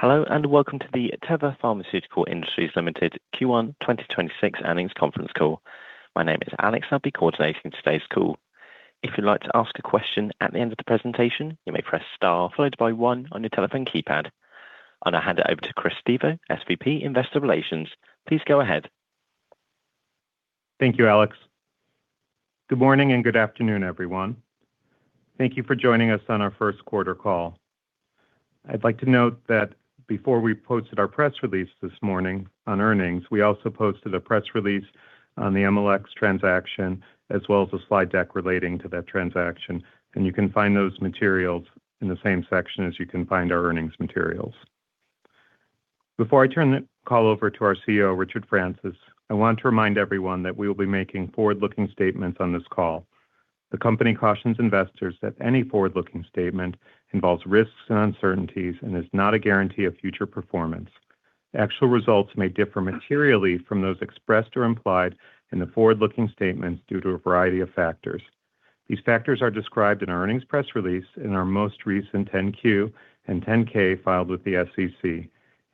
Hello and welcome to the Teva Pharmaceutical Industries Limited Q1 2026 Earnings Conference Call. My name is Alex. I'll be coordinating today's call. I'm going to hand it over to Chris Stevo, SVP, Investor Relations. Please go ahead. Thank you, Alex. Good morning and good afternoon, everyone. Thank you for joining us on our first quarter call. I'd like to note that before we posted our press release this morning on earnings, we also posted a press release on the Amylyx transaction as well as a slide deck relating to that transaction, and you can find those materials in the same section as you can find our earnings materials. Before I turn the call over to our CEO, Richard Francis, I want to remind everyone that we will be making forward-looking statements on this call. The company cautions investors that any forward-looking statement involves risks and uncertainties and is not a guarantee of future performance. Actual results may differ materially from those expressed or implied in the forward-looking statements due to a variety of factors. These factors are described in our earnings press release in our most recent 10-Q and 10-K filed with the SEC.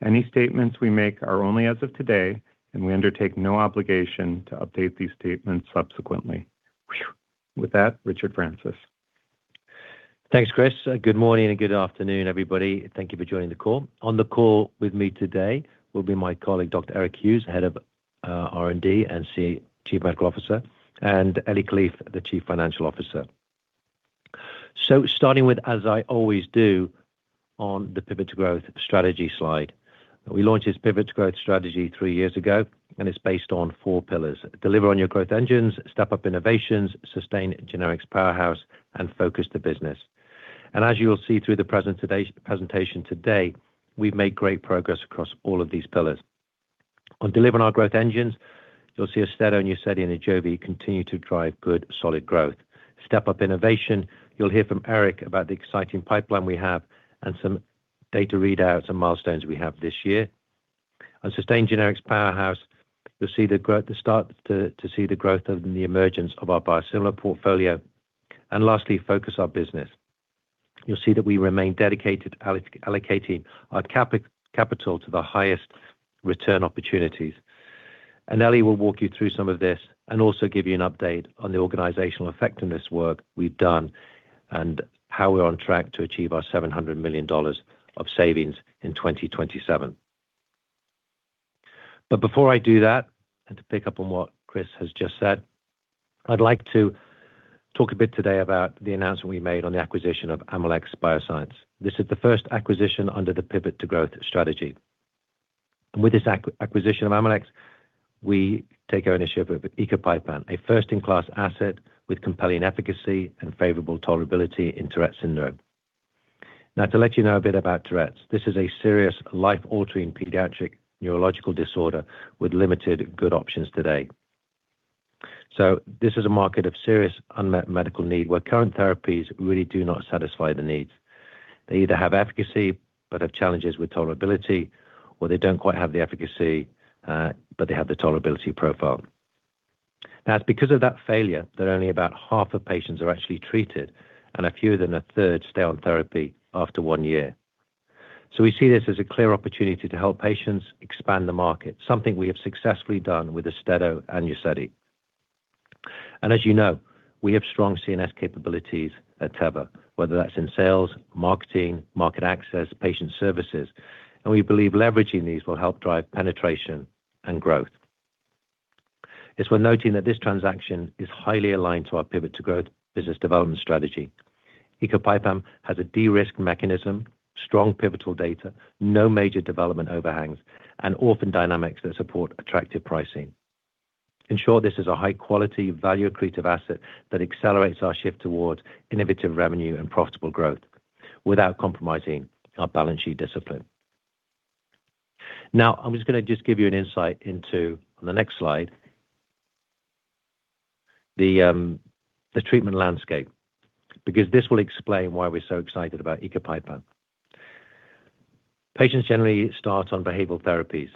Any statements we make are only as of today, and we undertake no obligation to update these statements subsequently. With that, Richard Francis. Thanks, Chris. Good morning and good afternoon, everybody. Thank you for joining the call. On the call with me today will be my colleague, Dr. Eric Hughes, Head of R&D and Chief Medical Officer, and Eli Kalif, the Chief Financial Officer. Starting with, as I always do, on the Pivot to Growth strategy slide. We launched this Pivot to Growth strategy 3 years ago, and it's based on 4 pillars: deliver on your growth engines, step up innovations, sustain generics powerhouse, and focus the business. As you will see through the presentation today, we've made great progress across all of these pillars. On delivering our growth engines, you'll see Austedo and UZEDY and AJOVY continue to drive good, solid growth. Step up innovation, you'll hear from Eric about the exciting pipeline we have and some data readouts and milestones we have this year. On sustain generics powerhouse, you'll see the start to see the growth of the emergence of our biosimilar portfolio. Lastly, focus our business. You'll see that we remain dedicated to allocating our capital to the highest return opportunities. Eli will walk you through some of this and also give you an update on the organizational effectiveness work we've done and how we're on track to achieve our $700 million of savings in 2027. Before I do that, and to pick up on what Chris has just said, I'd like to talk a bit today about the announcement we made on the acquisition of Amylyx. This is the first acquisition under the Pivot to Growth strategy. With this acquisition of Amylyx, we take ownership of ecopipam, a first-in-class asset with compelling efficacy and favorable tolerability in Tourette syndrome. To let you know a bit about Tourette's, this is a serious life-altering pediatric neurological disorder with limited good options today. This is a market of serious unmet medical need where current therapies really do not satisfy the needs. They either have efficacy but have challenges with tolerability, or they don't quite have the efficacy, but they have the tolerability profile. It's because of that failure that only about half of patients are actually treated and fewer than a third stay on therapy after one year. We see this as a clear opportunity to help patients expand the market, something we have successfully done with Austedo and UZEDY. As you know, we have strong CNS capabilities at Teva, whether that's in sales, marketing, market access, patient services, and we believe leveraging these will help drive penetration and growth. It's worth noting that this transaction is highly aligned to our Pivot to Growth business development strategy. Ecopipam has a de-risk mechanism, strong pivotal data, no major development overhangs, and orphan dynamics that support attractive pricing. In short, this is a high-quality, value-accretive asset that accelerates our shift towards innovative revenue and profitable growth without compromising our balance sheet discipline. I'm going to give you an insight into, on the next slide, the treatment landscape because this will explain why we're so excited about ecopipam. Patients generally start on behavioral therapies.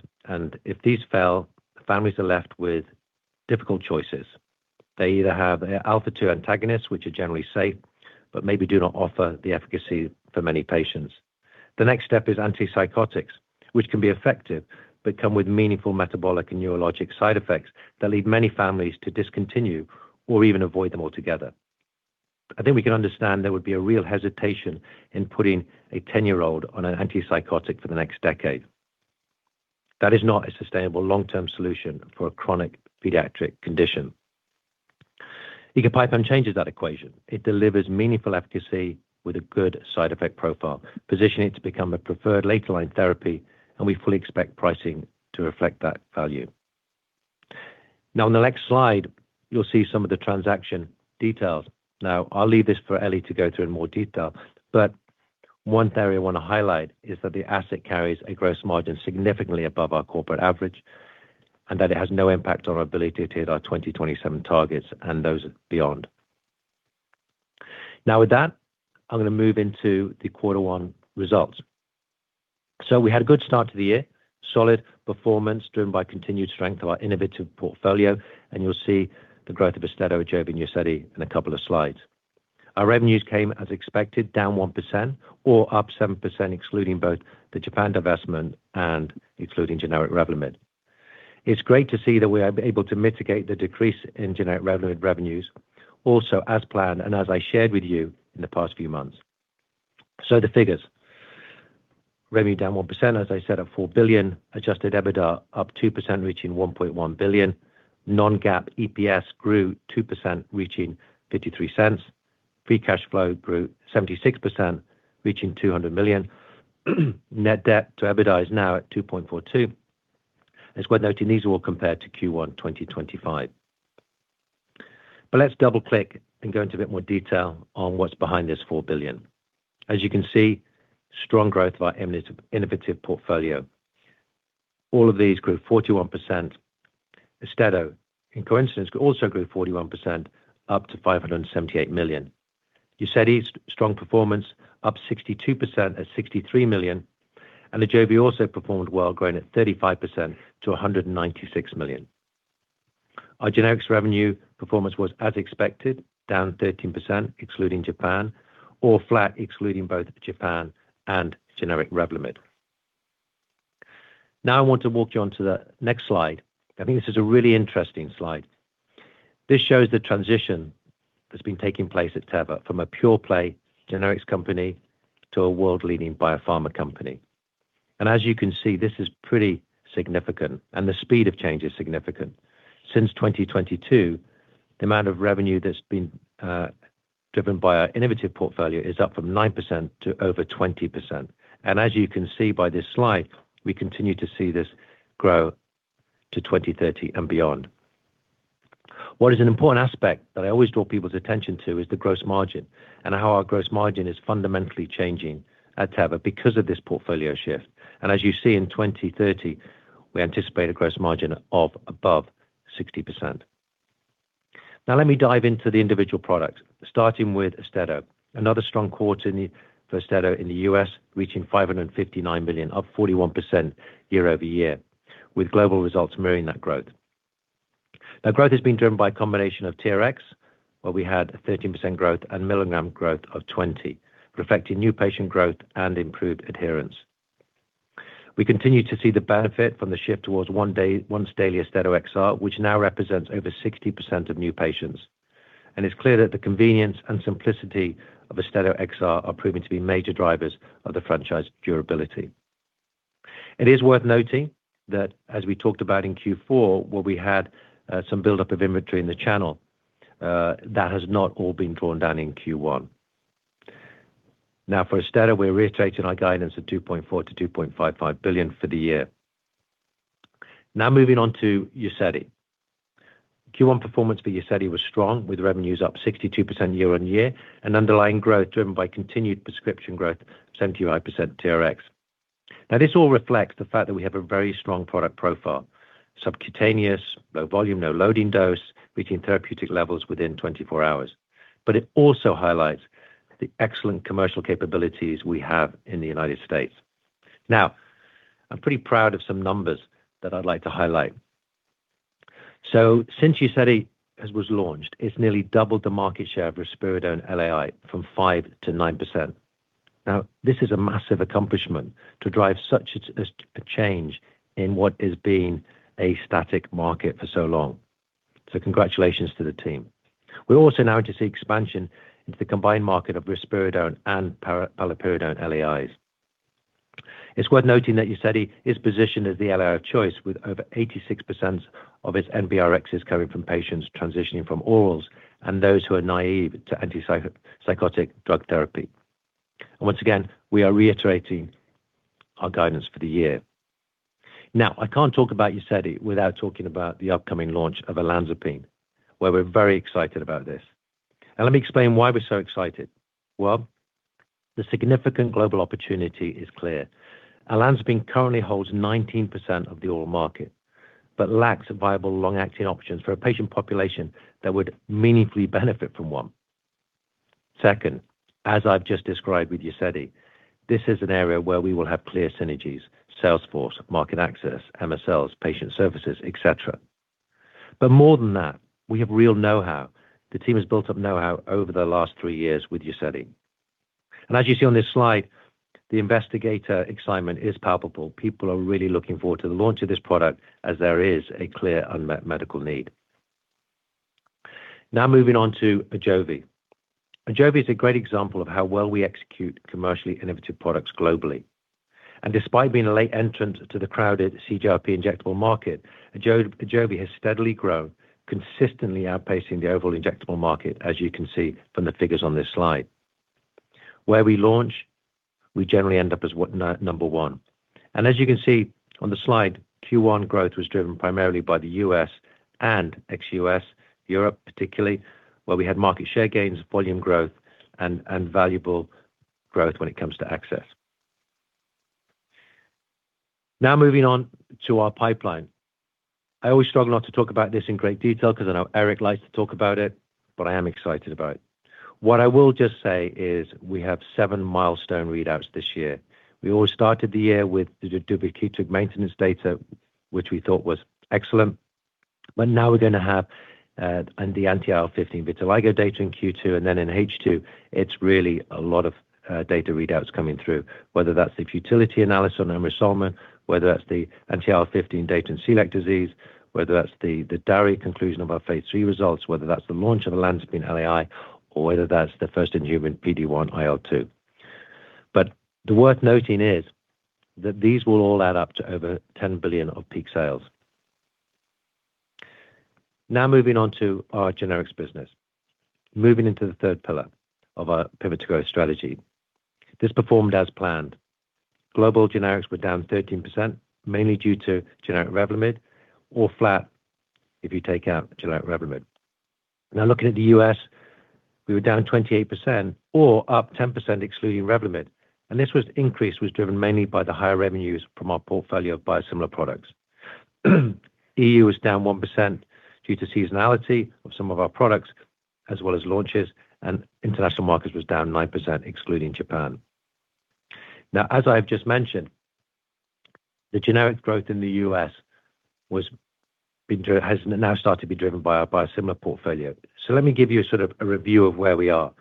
If these fail, families are left with difficult choices. They either have alpha-2 antagonists, which are generally safe, but maybe do not offer the efficacy for many patients. The next step is antipsychotics, which can be effective but come with meaningful metabolic and neurologic side effects that lead many families to discontinue or even avoid them altogether. I think we can understand there would be a real hesitation in putting a 10-year-old on an antipsychotic for the next decade. That is not a sustainable long-term solution for a chronic pediatric condition. ecopipam changes that equation. It delivers meaningful efficacy with a good side effect profile, positioning it to become a preferred later line therapy, and we fully expect pricing to reflect that value. In the next slide, you'll see some of the transaction details. I'll leave this for Eli to go through in more detail, but one theory I wanna highlight is that the asset carries a gross margin significantly above our corporate average and that it has no impact on our ability to hit our 2027 targets and those beyond. With that, I'm gonna move into the Q1 results. We had a good start to the year. Solid performance driven by continued strength of our innovative portfolio, and you'll see the growth of Austedo, AJOVY and UZEDY in a couple of slides. Our revenues came as expected, down 1% or up 7%, excluding both the Japan divestment and excluding generic Revlimid. It's great to see that we are able to mitigate the decrease in generic Revlimid revenues also as planned and as I shared with you in the past few months. The figures. Revenue down 1%, as I said, at $4 billion. Adjusted EBITDA up 2%, reaching $1.1 billion. non-GAAP EPS grew 2%, reaching $0.53. Free cash flow grew 76%, reaching $200 million. Net debt to EBITDA is now at 2.42. It's worth noting these are all compared to Q1 2025. Let's double-click and go into a bit more detail on what's behind this $4 billion. As you can see, strong growth of our innovative portfolio. All of these grew 41%. Austedo, in coincidence, also grew 41% up to $578 million. UZEDY's strong performance up 62% at $63 million. AJOVY also performed well, growing at 35% to $196 million. Our generics revenue performance was as expected, down 13% excluding Japan or flat excluding both Japan and generic Revlimid. Now I want to walk you on to the next slide. I think this is a really interesting slide. This shows the transition that's been taking place at Teva from a pure play generics company to a world-leading biopharma company. As you can see, this is pretty significant and the speed of change is significant. Since 2022, the amount of revenue that's been driven by our innovative portfolio is up from 9% to over 20%. As you can see by this slide, we continue to see this grow to 2030 and beyond. What is an important aspect that I always draw people's attention to is the gross margin and how our gross margin is fundamentally changing at Teva because of this portfolio shift. As you see in 2030, we anticipate a gross margin of above 60%. Let me dive into the individual products, starting with Austedo. Another strong quarter for Austedo in the U.S., reaching $559 million, up 41% year-over-year, with global results mirroring that growth. Growth has been driven by a combination of TRx, where we had a 13% growth and milligram growth of 20%, reflecting new patient growth and improved adherence. We continue to see the benefit from the shift towards once daily Austedo XR, which now represents over 60% of new patients. It's clear that the convenience and simplicity of Austedo XR are proving to be major drivers of the franchise durability. It is worth noting that as we talked about in Q4, where we had some buildup of inventory in the channel, that has not all been drawn down in Q1. For Austedo, we're reiterating our guidance of $2.4 billion-$2.55 billion for the year. Moving on to UZEDY. Q1 performance for UZEDY was strong, with revenues up 62% year-on-year and underlying growth driven by continued prescription growth of 75% TRx. This all reflects the fact that we have a very strong product profile, subcutaneous, low volume, no loading dose, reaching therapeutic levels within 24 hours. It also highlights the excellent commercial capabilities we have in the U.S. I'm pretty proud of some numbers that I'd like to highlight. Since UZEDY was launched, it's nearly doubled the market share of risperidone LAI from 5%-9%. This is a massive accomplishment to drive such a change in what has been a static market for so long. Congratulations to the team. We are also now to see expansion into the combined market of risperidone and paliperidone LAIs. It is worth noting that UZEDY is positioned as the LAI of choice with over 86% of its NBRx coming from patients transitioning from orals and those who are naive to antipsychotic drug therapy. We are reiterating our guidance for the year. I cannot talk about UZEDY without talking about the upcoming launch of olanzapine, where we are very excited about this. Let me explain why we are so excited. The significant global opportunity is clear. olanzapine currently holds 19% of the oral market, but lacks viable long-acting options for a patient population that would meaningfully benefit from one. Second, as I have just described with UZEDY, this is an area where we will have clear synergies, sales force, market access, MSLs, patient services, et cetera. More than that, we have real know-how. The team has built up know-how over the last 3 years with UZEDY. As you see on this slide, the investigator excitement is palpable. People are really looking forward to the launch of this product as there is a clear unmet medical need. Now moving on to AJOVY. AJOVY is a great example of how well we execute commercially innovative products globally. Despite being a late entrant to the crowded CGRP injectable market, AJOVY has steadily grown, consistently outpacing the overall injectable market, as you can see from the figures on this slide. Where we launch, we generally end up as number one. As you can see on the slide, Q1 growth was driven primarily by the U.S. and ex-U.S., Europe particularly, where we had market share gains, volume growth and valuable growth when it comes to access. Now moving on to our pipeline. I always struggle not to talk about this in great detail because I know Eric likes to talk about it, but I am excited about it. What I will just say is we have seven milestone readouts this year. We all started the year with the duvelisib maintenance data, which we thought was excellent. Now we're gonna have and the anti-IL-15 with oligo data in Q2, and then in H2, it's really a lot of data readouts coming through, whether that's the futility analysis on emricasan, whether that's the anti-IL-15 data in celiac disease, whether that's the DARI conclusion of our phase III results, whether that's the launch of olanzapine LAI, or whether that's the first-in-human PD-1 IL-2. The worth noting is that these will all add up to over $10 billion of peak sales. Now moving on to our generics business. Moving into the third pillar of our Pivot to Growth strategy. This performed as planned. Global generics were down 13%, mainly due to generic Revlimid or flat if you take out generic Revlimid. Looking at the U.S., we were down 28% or up 10% excluding Revlimid, this increase was driven mainly by the higher revenues from our portfolio of biosimilar products. EU was down 1% due to seasonality of some of our products as well as launches, International markets was down 9% excluding Japan. As I've just mentioned, the generic growth in the U.S. has now started to be driven by our biosimilar portfolio. Let me give you a sort of a review of where we are.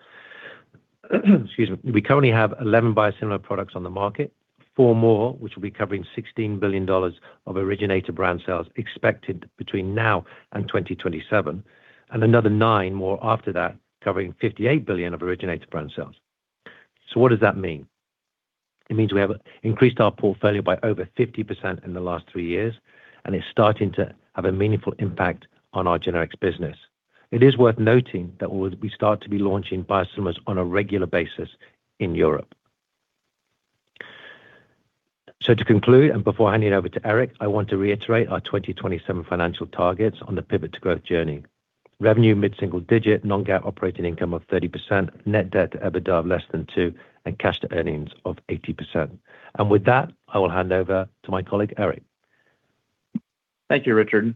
Excuse me. We currently have 11 biosimilar products on the market, four more which will be covering $16 billion of originator brand sales expected between now and 2027, Another nine more after that covering $58 billion of originator brand sales. What does that mean? It means we have increased our portfolio by over 50% in the last 3 years. It's starting to have a meaningful impact on our generics business. It is worth noting that we start to be launching biosimilars on a regular basis in Europe. To conclude, and before handing over to Eric, I want to reiterate our 2027 financial targets on the Pivot to Growth journey. Revenue mid-single digit, non-GAAP operating income of 30%, net debt to EBITDA of less than 2, cash to earnings of 80%. With that, I will hand over to my colleague, Eric. Thank you, Richard.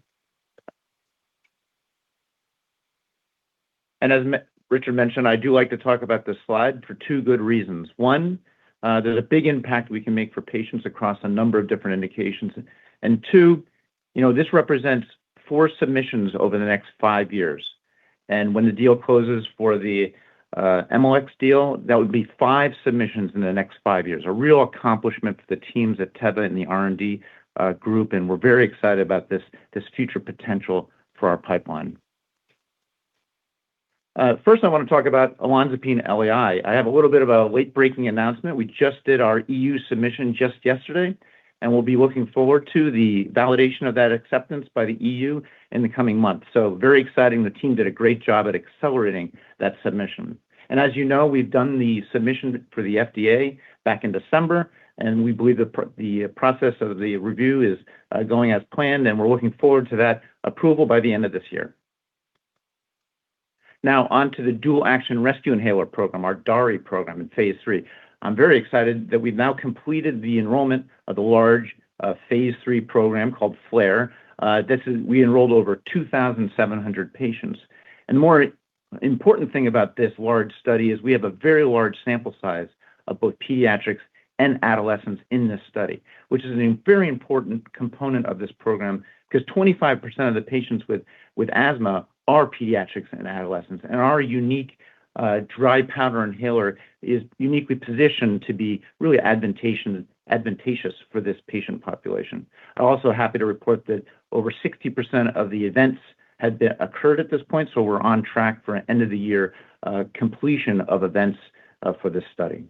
As Richard mentioned, I do like to talk about this slide for two good reasons. One, there's a big impact we can make for patients across a number of different indications. Two, you know, this represents fpur submissions over the next 5 years. When the deal closes for the AMLX deal, that would be five submissions in the next 5 years, a real accomplishment for the teams at Teva and the R&D group, we're very excited about this future potential for our pipeline. First, I wanna talk about olanzapine LAI. I have a little bit of a late-breaking announcement. We just did our EU submission just yesterday, we'll be looking forward to the validation of that acceptance by the EU in the coming months. Very exciting. The team did a great job at accelerating that submission. As you know, we've done the submission for the FDA back in December, and we believe the process of the review is going as planned, and we're looking forward to that approval by the end of this year. Now on to the dual action rescue inhaler program, our DARI program in phase III. I'm very excited that we've now completed the enrollment of the large phase III program called FLAIR. We enrolled over 2,700 patients. More important thing about this large study is we have a very large sample size of both pediatrics and adolescents in this study, which is a very important component of this program because 25% of the patients with asthma are pediatrics and adolescents. Our unique dry powder inhaler is uniquely positioned to be really advantageous for this patient population. I'm also happy to report that over 60% of the events have been occurred at this point, so we're on track for an end of the year completion of events for this study.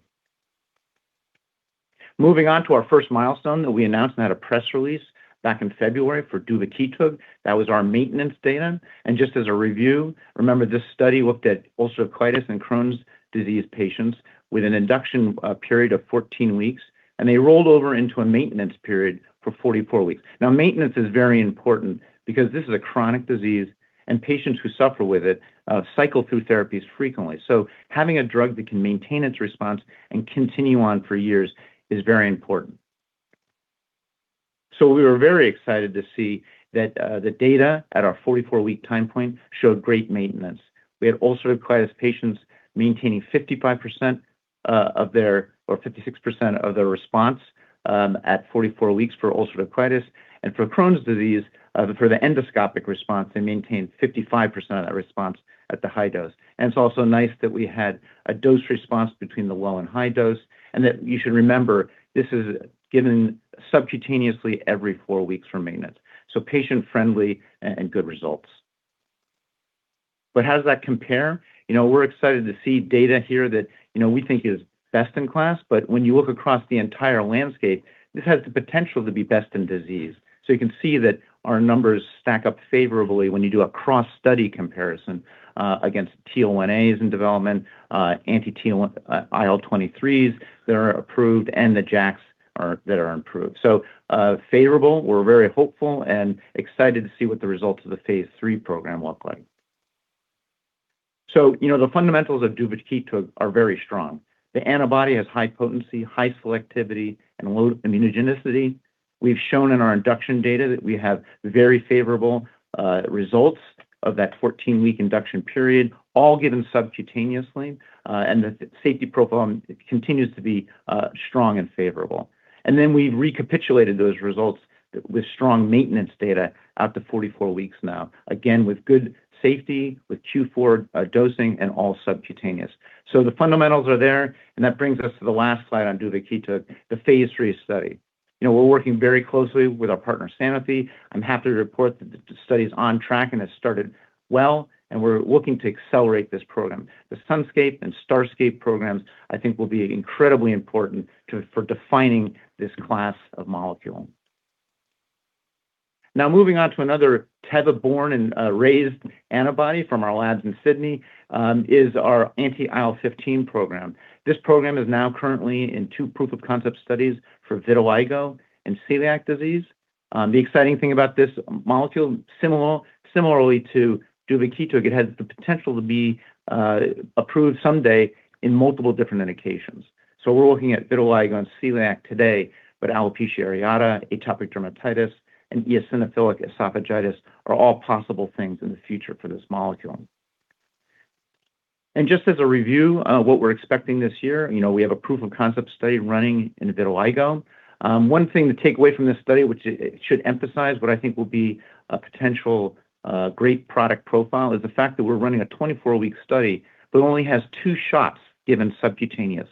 Moving on to our first milestone that we announced and had a press release back in February for Duvakitug. That was our maintenance data. Just as a review, remember this study looked at ulcerative colitis and Crohn's disease patients with an induction period of 14 weeks, and they rolled over into a maintenance period for 44 weeks. Maintenance is very important because this is a chronic disease, and patients who suffer with it cycle through therapies frequently. Having a drug that can maintain its response and continue on for years is very important. We were very excited to see that the data at our 44-week time point showed great maintenance. We had ulcerative colitis patients maintaining 56% of their response at 44 weeks for ulcerative colitis. For Crohn's disease, for the endoscopic response, they maintained 55% of that response at the high dose. It's also nice that we had a dose response between the low and high dose, and that you should remember this is given subcutaneously every four weeks for maintenance. Patient-friendly and good results. How does that compare? You know, we're excited to see data here that, you know, we think is best in class, but when you look across the entire landscape, this has the potential to be best in disease. You can see that our numbers stack up favorably when you do a cross study comparison against TL1A in development, anti-IL-23s that are approved, and the JAKs that are approved. Favorable, we're very hopeful and excited to see what the results of the phase III program look like. You know, the fundamentals of duvakitug are very strong. The antibody has high potency, high selectivity, and low immunogenicity. We've shown in our induction data that we have very favorable results of that 14-week induction period, all given subcutaneously, and the safety profile continues to be strong and favorable. We've recapitulated those results with strong maintenance data out to 44 weeks now, again with good safety, with Q4 dosing and all subcutaneous. The fundamentals are there, and that brings us to the last slide on duvakitug, the phase III study. You know, we're working very closely with our partner Sanofi. I'm happy to report that the study's on track and has started well, and we're looking to accelerate this program. The Sunscape and Starscape programs, I think will be incredibly important for defining this class of molecule. Moving on to another Teva born and raised antibody from our labs in Sydney is our anti-IL-15 program. This program is now currently in two proof-of-concept studies for vitiligo and celiac disease. The exciting thing about this molecule, similarly to duvakitug, it has the potential to be approved someday in multiple different indications. We're looking at vitiligo and celiac today, but alopecia areata, atopic dermatitis, and eosinophilic esophagitis are all possible things in the future for this molecule. Just as a review of what we're expecting this year, you know, we have a proof-of-concept study running into vitiligo. One thing to take away from this study, which it should emphasize what I think will be a potential great product profile, is the fact that we're running a 24-week study that only has two shots given subcutaneous,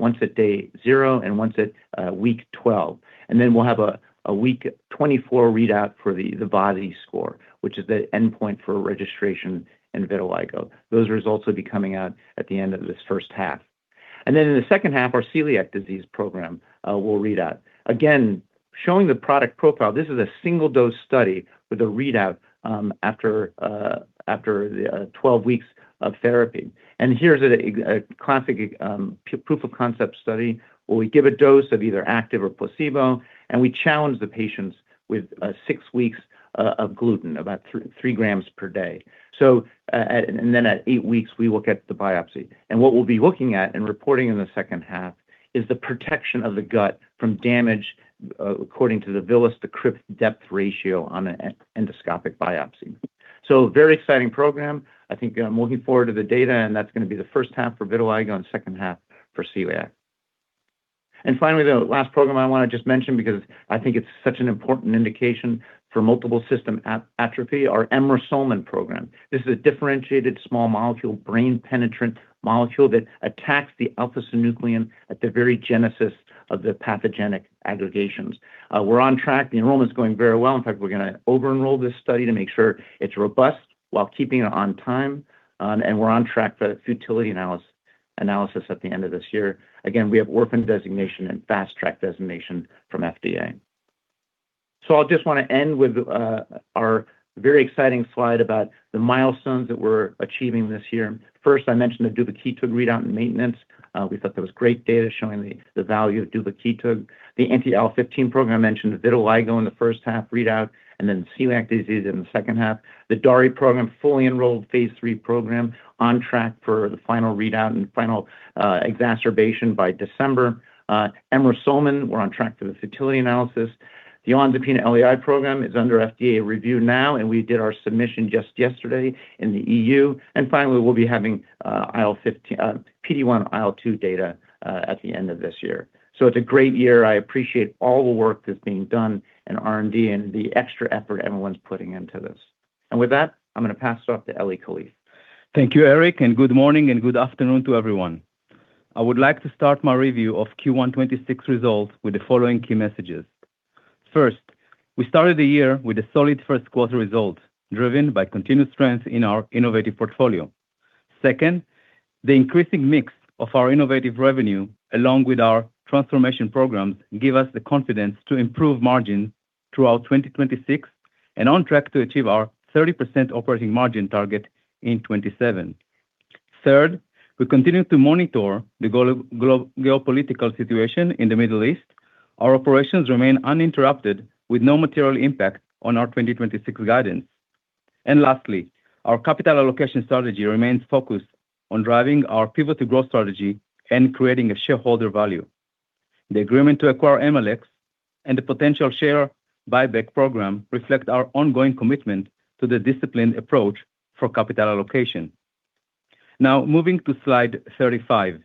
once at day 0 and once at week 12. Then we'll have a week 24 readout for the VASI score, which is the endpoint for registration in vitiligo. Those results will be coming out at the end of this first half. In the second half, our celiac disease program will read out. Again, showing the product profile, this is a single-dose study with a readout after the 12 weeks of therapy. Here's a classic proof of concept study where we give a dose of either active or placebo, and we challenge the patients with 6 weeks of gluten, about 3 grams per day. At 8 weeks, we will get the biopsy. What we'll be looking at and reporting in the H2 is the protection of the gut from damage according to the villus-to-crypt depth ratio on an endoscopic biopsy. Very exciting program. I think I'm looking forward to the data, and that's gonna be the H1 for vitiligo and H2 for celiac. Finally, the last program I want to just mention because I think it's such an important indication for multiple system atrophy, our emrusolmin program. This is a differentiated small molecule, brain penetrant molecule that attacks the alpha-synuclein at the very genesis of the pathogenic aggregations. We're on track. The enrollment is going very well. In fact, we're gonna over-enroll this study to make sure it's robust while keeping it on time, and we're on track for that futility analysis at the end of this year. Again, we have orphan designation and fast track designation from FDA. I'll just wanna end with, our very exciting slide about the milestones that we're achieving this year. First, I mentioned the duvakitug readout and maintenance. We thought that was great data showing the value of duvakitug. The anti-IL-15 program I mentioned, the vitiligo in the H1 readout and then celiac disease in the H2. The DARI program, fully enrolled phase III program on track for the final readout and final exacerbation by December. Emrusolmin, we're on track for the futility analysis. The olanzapine LAI program is under FDA review now, and we did our submission just yesterday in the EU. Finally, we'll be having IL-15, Anti-PD1-IL2 data at the end of this year. It's a great year. I appreciate all the work that's being done in R&D and the extra effort everyone's putting into this. With that, I'm gonna pass it off to Eli Kalif. Thank you, Eric. Good morning and good afternoon to everyone. I would like to start my review of Q1 2026 results with the following key messages. First, we started the year with a solid first quarter result, driven by continuous strength in our innovative portfolio. Second, the increasing mix of our innovative revenue, along with our transformation programs, give us the confidence to improve margin throughout 2026 and on track to achieve our 30% operating margin target in 2027. Third, we continue to monitor the geopolitical situation in the Middle East. Our operations remain uninterrupted with no material impact on our 2026 guidance. Lastly, our capital allocation strategy remains focused on driving our Pivot to Growth Strategy and creating a shareholder value. The agreement to acquire Amylyx and the potential share buyback program reflect our ongoing commitment to the disciplined approach for capital allocation. Moving to slide 35.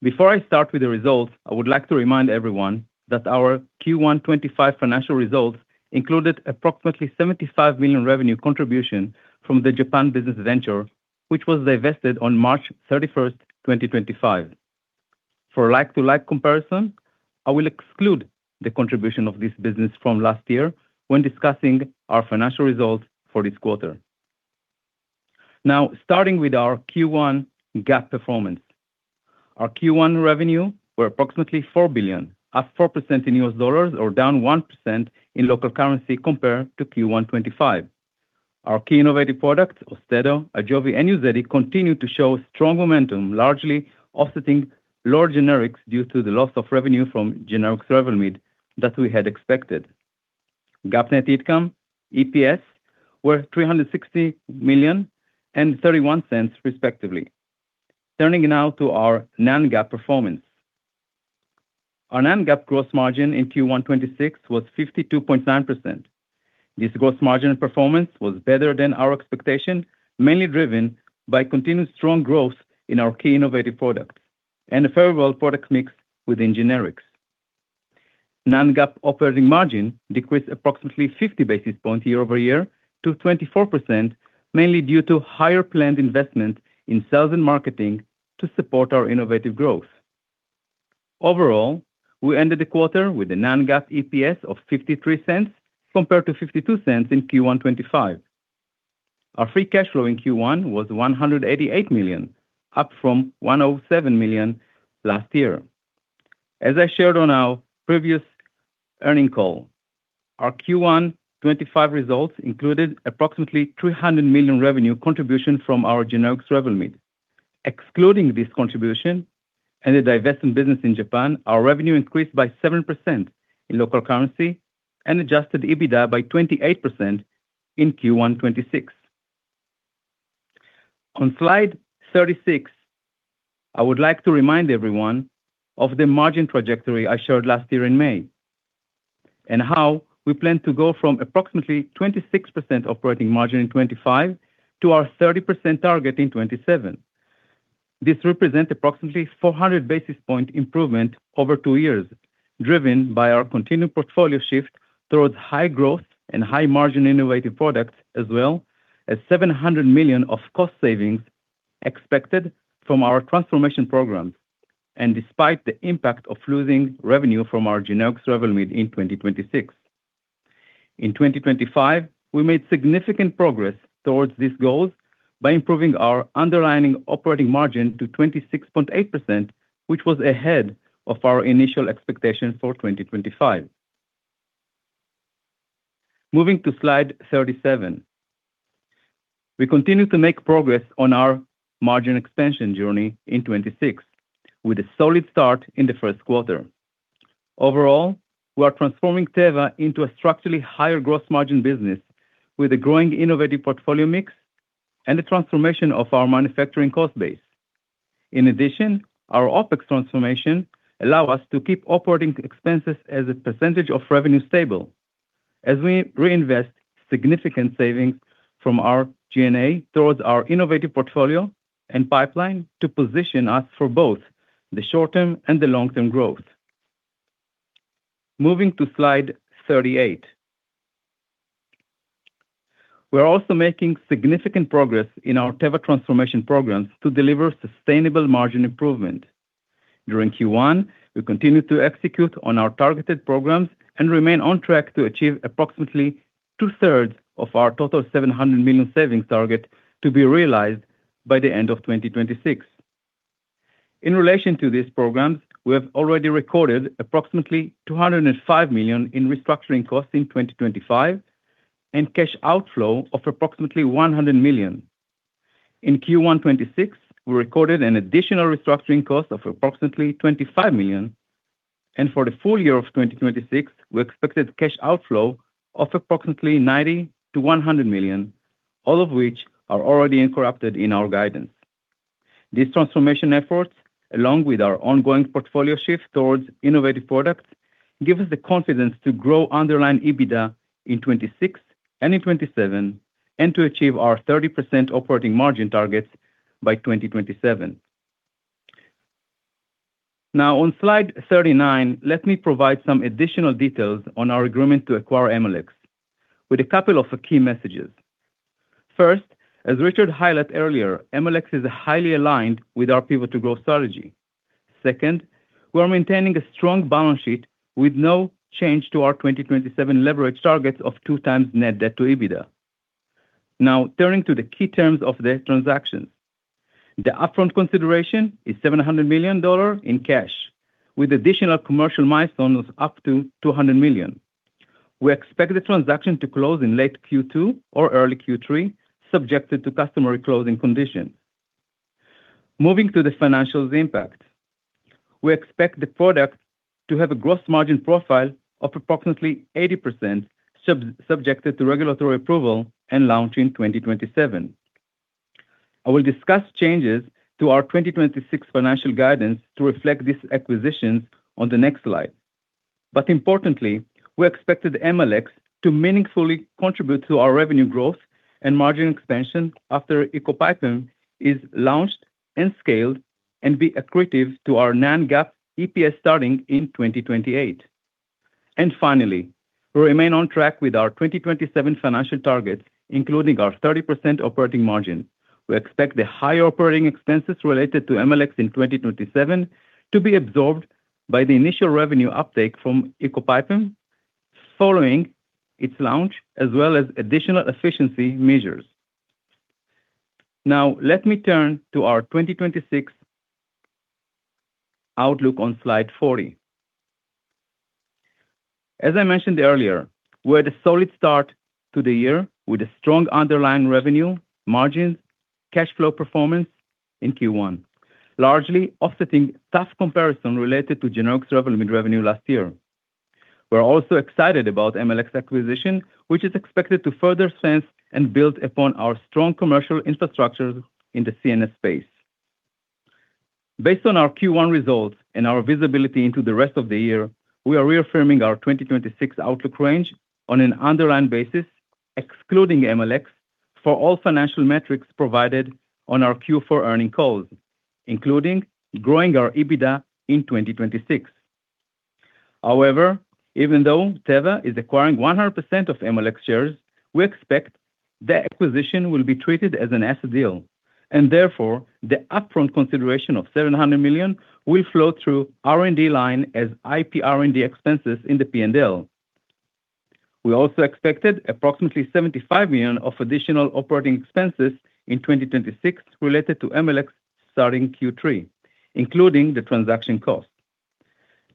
Before I start with the results, I would like to remind everyone that our Q1 2025 financial results included approximately $75 million revenue contribution from the Japan business venture, which was divested on March 31, 2025. For like-to-like comparison, I will exclude the contribution of this business from last year when discussing our financial results for this quarter. Starting with our Q1 GAAP performance. Our Q1 revenue were approximately $4 billion, up 4% in US dollars or down 1% in local currency compared to Q1 2025. Our key innovative products, Austedo, AJOVY, and UZEDY, continued to show strong momentum, largely offsetting lower generics due to the loss of revenue from generic Revlimid that we had expected. GAAP net income, EPS, were $360 million and $0.31 respectively. Turning now to our non-GAAP performance. Our non-GAAP gross margin in Q1 2026 was 52.9%. This gross margin performance was better than our expectation, mainly driven by continued strong growth in our key innovative products and a favorable product mix within generics. Non-GAAP operating margin decreased approximately 50 basis points year-over-year to 24%, mainly due to higher planned investment in sales and marketing to support our innovative growth. Overall, we ended the quarter with a non-GAAP EPS of $0.53 compared to $0.52 in Q1 2025. Our free cash flow in Q1 was $188 million, up from $107 million last year. As I shared on our previous earnings call, our Q1 2025 results included approximately $300 million revenue contribution from our generic Revlimid. Excluding this contribution and the divesting business in Japan, our revenue increased by 7% in local currency and adjusted EBITDA by 28% in Q1 2026. On slide 36, I would like to remind everyone of the margin trajectory I showed last year in May, and how we plan to go from approximately 26% operating margin in 2025 to our 30% target in 2027. This represents approximately 400 basis point improvement over 2 years, driven by our continued portfolio shift towards high growth and high margin innovative products, as well as $700 million of cost savings expected from our transformation programs, and despite the impact of losing revenue from our generics revenue mid in 2026. In 2025, we made significant progress towards these goals by improving our underlying operating margin to 26.8%, which was ahead of our initial expectations for 2025. Moving to slide 37. We continue to make progress on our margin expansion journey in 2026, with a solid start in the first quarter. Overall, we are transforming Teva into a structurally higher gross margin business with a growing innovative portfolio mix and the transformation of our manufacturing cost base. In addition, our OpEx transformation allow us to keep operating expenses as a percentage of revenue stable as we reinvest significant savings from our G&A towards our innovative portfolio and pipeline to position us for both the short-term and the long-term growth. Moving to slide 38. We're also making significant progress in our Teva transformation programs to deliver sustainable margin improvement. During Q1, we continued to execute on our targeted programs and remain on track to achieve approximately two-thirds of our total $700 million savings target to be realized by the end of 2026. In relation to these programs, we have already recorded approximately $205 million in restructuring costs in 2025 and cash outflow of approximately $100 million. In Q1 2026, we recorded an additional restructuring cost of approximately $25 million, and for the full year of 2026, we expected cash outflow of approximately $90 million-$100 million, all of which are already incorporated in our guidance. These transformation efforts, along with our ongoing portfolio shift towards innovative products, give us the confidence to grow underlying EBITDA in 2026 and in 2027 and to achieve our 30% operating margin targets by 2027. Now, on slide 39, let me provide some additional details on our agreement to acquire Amylyx with a couple of key messages. First, as Richard highlighted earlier, Amylyx is highly aligned with our Pivot to Growth strategy. Second, we are maintaining a strong balance sheet with no change to our 2027 leverage targets of two times net debt to EBITDA. Now, turning to the key terms of the transaction. The upfront consideration is $700 million in cash with additional commercial milestones of up to $200 million. We expect the transaction to close in late Q2 or early Q3, subjected to customary closing conditions. Moving to the financials impact. We expect the product to have a gross margin profile of approximately 80% subjected to regulatory approval and launch in 2027. I will discuss changes to our 2026 financial guidance to reflect this acquisition on the next slide. Importantly, we expected Amylyx to meaningfully contribute to our revenue growth and margin expansion after ecopipam is launched and scaled and be accretive to our non-GAAP EPS starting in 2028. Finally, we remain on track with our 2027 financial targets, including our 30% operating margin. We expect the higher operating expenses related to Amylyx in 2027 to be absorbed by the initial revenue uptake from ecopipam following its launch, as well as additional efficiency measures. Let me turn to our 2026 outlook on slide 40. As I mentioned earlier, we had a solid start to the year with a strong underlying revenue, margins, cash flow performance in Q1, largely offsetting tough comparison related to generics revenue net revenue last year. We're also excited about AMLX acquisition, which is expected to further cement and build upon our strong commercial infrastructure in the CNS space. Based on our Q1 results and our visibility into the rest of the year, we are reaffirming our 2026 outlook range on an underlying basis, excluding AMLX, for all financial metrics provided on our Q4 earnings calls, including growing our EBITDA in 2026. Even though Teva is acquiring 100% of AMLX shares, we expect the acquisition will be treated as an asset deal, and therefore, the upfront consideration of $700 million will flow through R&D line as IP R&D expenses in the P&L. We also expected approximately $75 million of additional operating expenses in 2026 related to AMLX starting Q3, including the transaction cost.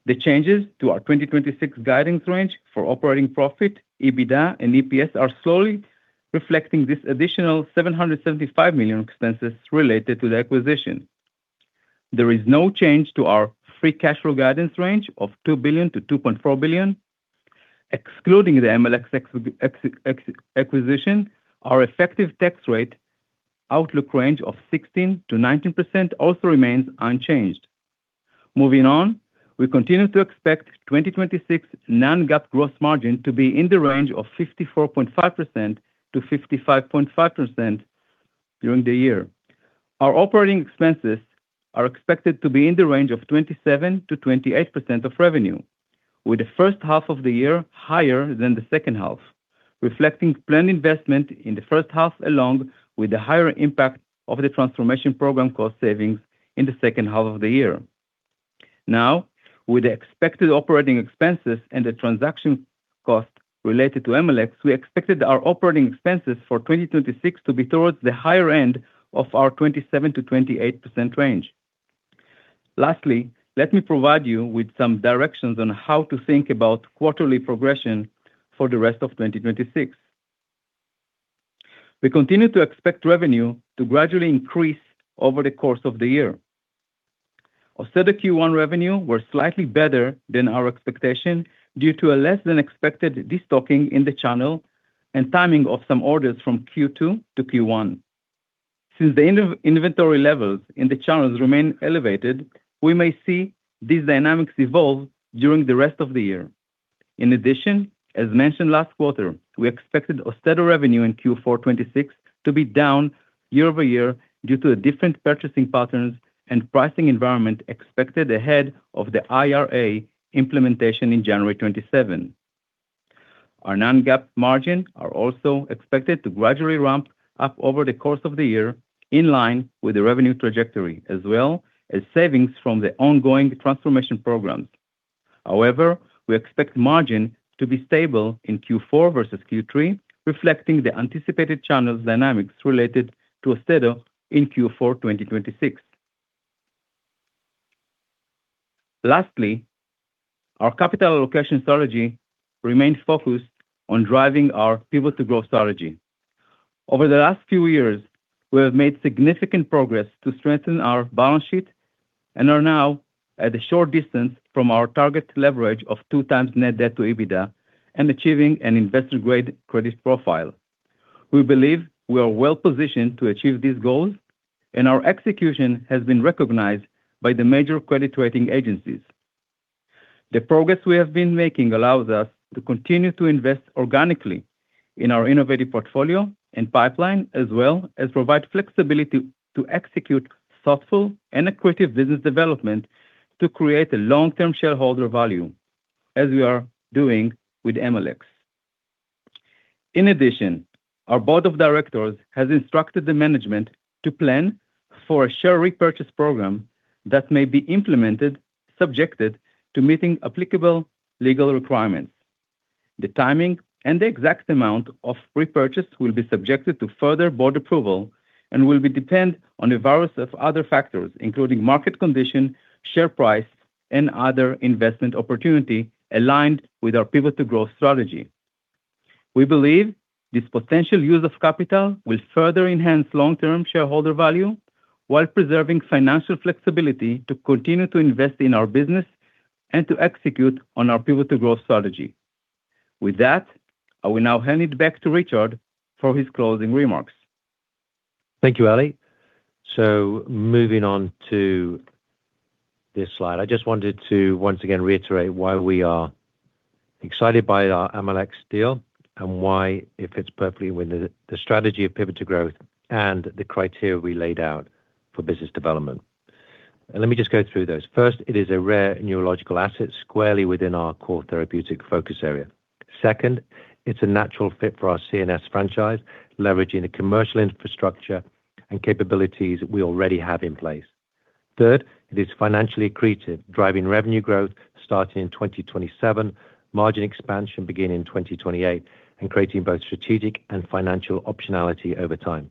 The changes to our 2026 guidance range for operating profit, EBITDA, and EPS are slowly reflecting this additional $775 million expenses related to the acquisition. There is no change to our free cash flow guidance range of $2 billion-$2.4 billion. Excluding the AMLX acquisition, our effective tax rate outlook range of 16%-19% also remains unchanged. We continue to expect 2026 non-GAAP gross margin to be in the range of 54.5%-55.5% during the year. Our operating expenses are expected to be in the range of 27%-28% of revenue, with the H1 of the year higher than the H2, reflecting planned investment in the H1 along with the higher impact of the transformation program cost savings in the H2 of the year. With the expected operating expenses and the transaction cost related to AMLX, we expected our operating expenses for 2026 to be towards the higher end of our 27%-28% range. Let me provide you with some directions on how to think about quarterly progression for the rest of 2026. Austedo Q1 revenue were slightly better than our expectation due to a less than expected destocking in the channel and timing of some orders from Q2 to Q1. Since the inventory levels in the channels remain elevated, we may see these dynamics evolve during the rest of the year. In addition, as mentioned last quarter, we expected Austedo revenue in Q4 2026 to be down year-over-year due to a different purchasing patterns and pricing environment expected ahead of the IRA implementation in January 2027. Our non-GAAP margin are also expected to gradually ramp up over the course of the year in line with the revenue trajectory, as well as savings from the ongoing transformation programs. However, we expect margin to be stable in Q4 versus Q3, reflecting the anticipated channels dynamics related to Austedo in Q4 2026. Lastly, our capital allocation strategy remains focused on driving our Pivot to Growth strategy. Over the last few years, we have made significant progress to strengthen our balance sheet and are now at a short distance from our target leverage of 2x net debt to EBITDA and achieving an investor-grade credit profile. We believe we are well-positioned to achieve these goals. Our execution has been recognized by the major credit rating agencies. The progress we have been making allows us to continue to invest organically in our innovative portfolio and pipeline, as well as provide flexibility to execute thoughtful and accretive business development to create a long-term shareholder value, as we are doing with AMLX. Our board of directors has instructed the management to plan for a share repurchase program that may be implemented, subject to meeting applicable legal requirements. The timing and the exact amount of repurchase will be subject to further board approval and will depend on a variety of other factors, including market condition, share price, and other investment opportunity aligned with our Pivot to Growth strategy. We believe this potential use of capital will further enhance long-term shareholder value while preserving financial flexibility to continue to invest in our business and to execute on our Pivot to Growth strategy. With that, I will now hand it back to Richard for his closing remarks. Thank you, Eli. Moving on to this slide. I just wanted to once again reiterate why we are excited by our AMLX deal and why it fits perfectly with the strategy of Pivot to Growth and the criteria we laid out for business development. Let me just go through those. First, it is a rare neurological asset squarely within our core therapeutic focus area. Second, it's a natural fit for our CNS franchise, leveraging the commercial infrastructure and capabilities we already have in place. Third, it is financially accretive, driving revenue growth starting in 2027, margin expansion beginning in 2028, and creating both strategic and financial optionality over time.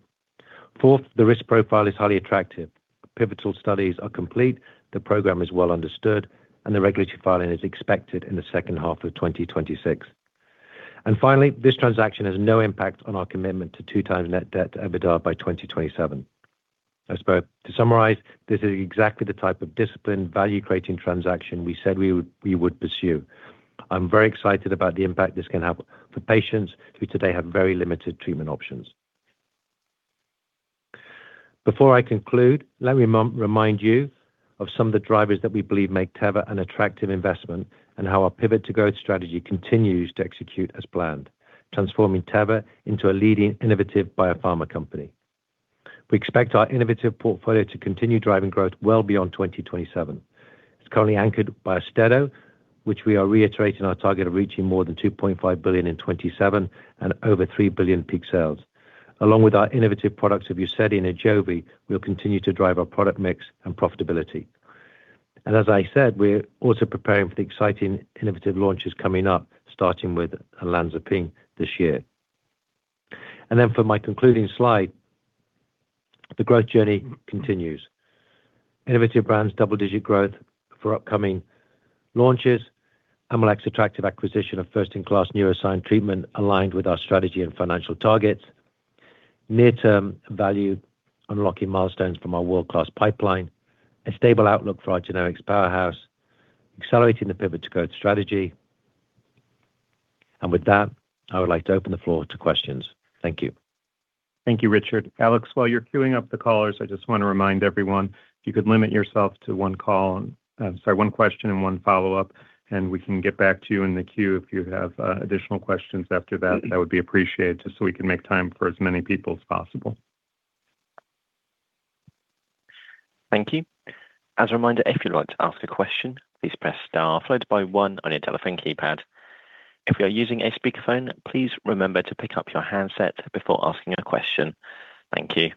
Fourth, the risk profile is highly attractive. Pivotal studies are complete, the program is well understood, and the regulatory filing is expected in the second half of 2026. Finally, this transaction has no impact on our commitment to 2x net debt EBITDA by 2027. I suppose to summarize, this is exactly the type of disciplined value-creating transaction we said we would pursue. I'm very excited about the impact this can have for patients who today have very limited treatment options. Before I conclude, let me remind you of some of the drivers that we believe make Teva an attractive investment and how our Pivot to Growth strategy continues to execute as planned, transforming Teva into a leading innovative biopharma company. We expect our innovative portfolio to continue driving growth well beyond 2027. It's currently anchored by Austedo, which we are reiterating our target of reaching more than $2.5 billion in 2027 and over $3 billion peak sales. Along with our innovative products of UZEDY and AJOVY, we'll continue to drive our product mix and profitability. As I said, we're also preparing for the exciting innovative launches coming up, starting with olanzapine this year. For my concluding slide, the growth journey continues. Innovative brands double-digit growth for upcoming launches. Amylyx attractive acquisition of first-in-class neuroscience treatment aligned with our strategy and financial targets. Near-term value unlocking milestones from our world-class pipeline. A stable outlook for our generics powerhouse. Accelerating the Pivot to Growth strategy. With that, I would like to open the floor to questions. Thank you. Thank you, Richard. Amylyx, while you're queuing up the callers, I just want to remind everyone you could limit yourself to one call, sorry, one question and one follow-up, and we can get back to you in the queue if you have additional questions after that. That would be appreciated, just so we can make time for as many people as possible. Thank you. As a reminder, if you'd like to ask a question, please press star followed by 1 on your telephone keypad. If you are using a speakerphone, please remember to pick up your handset before asking a question. Thank you.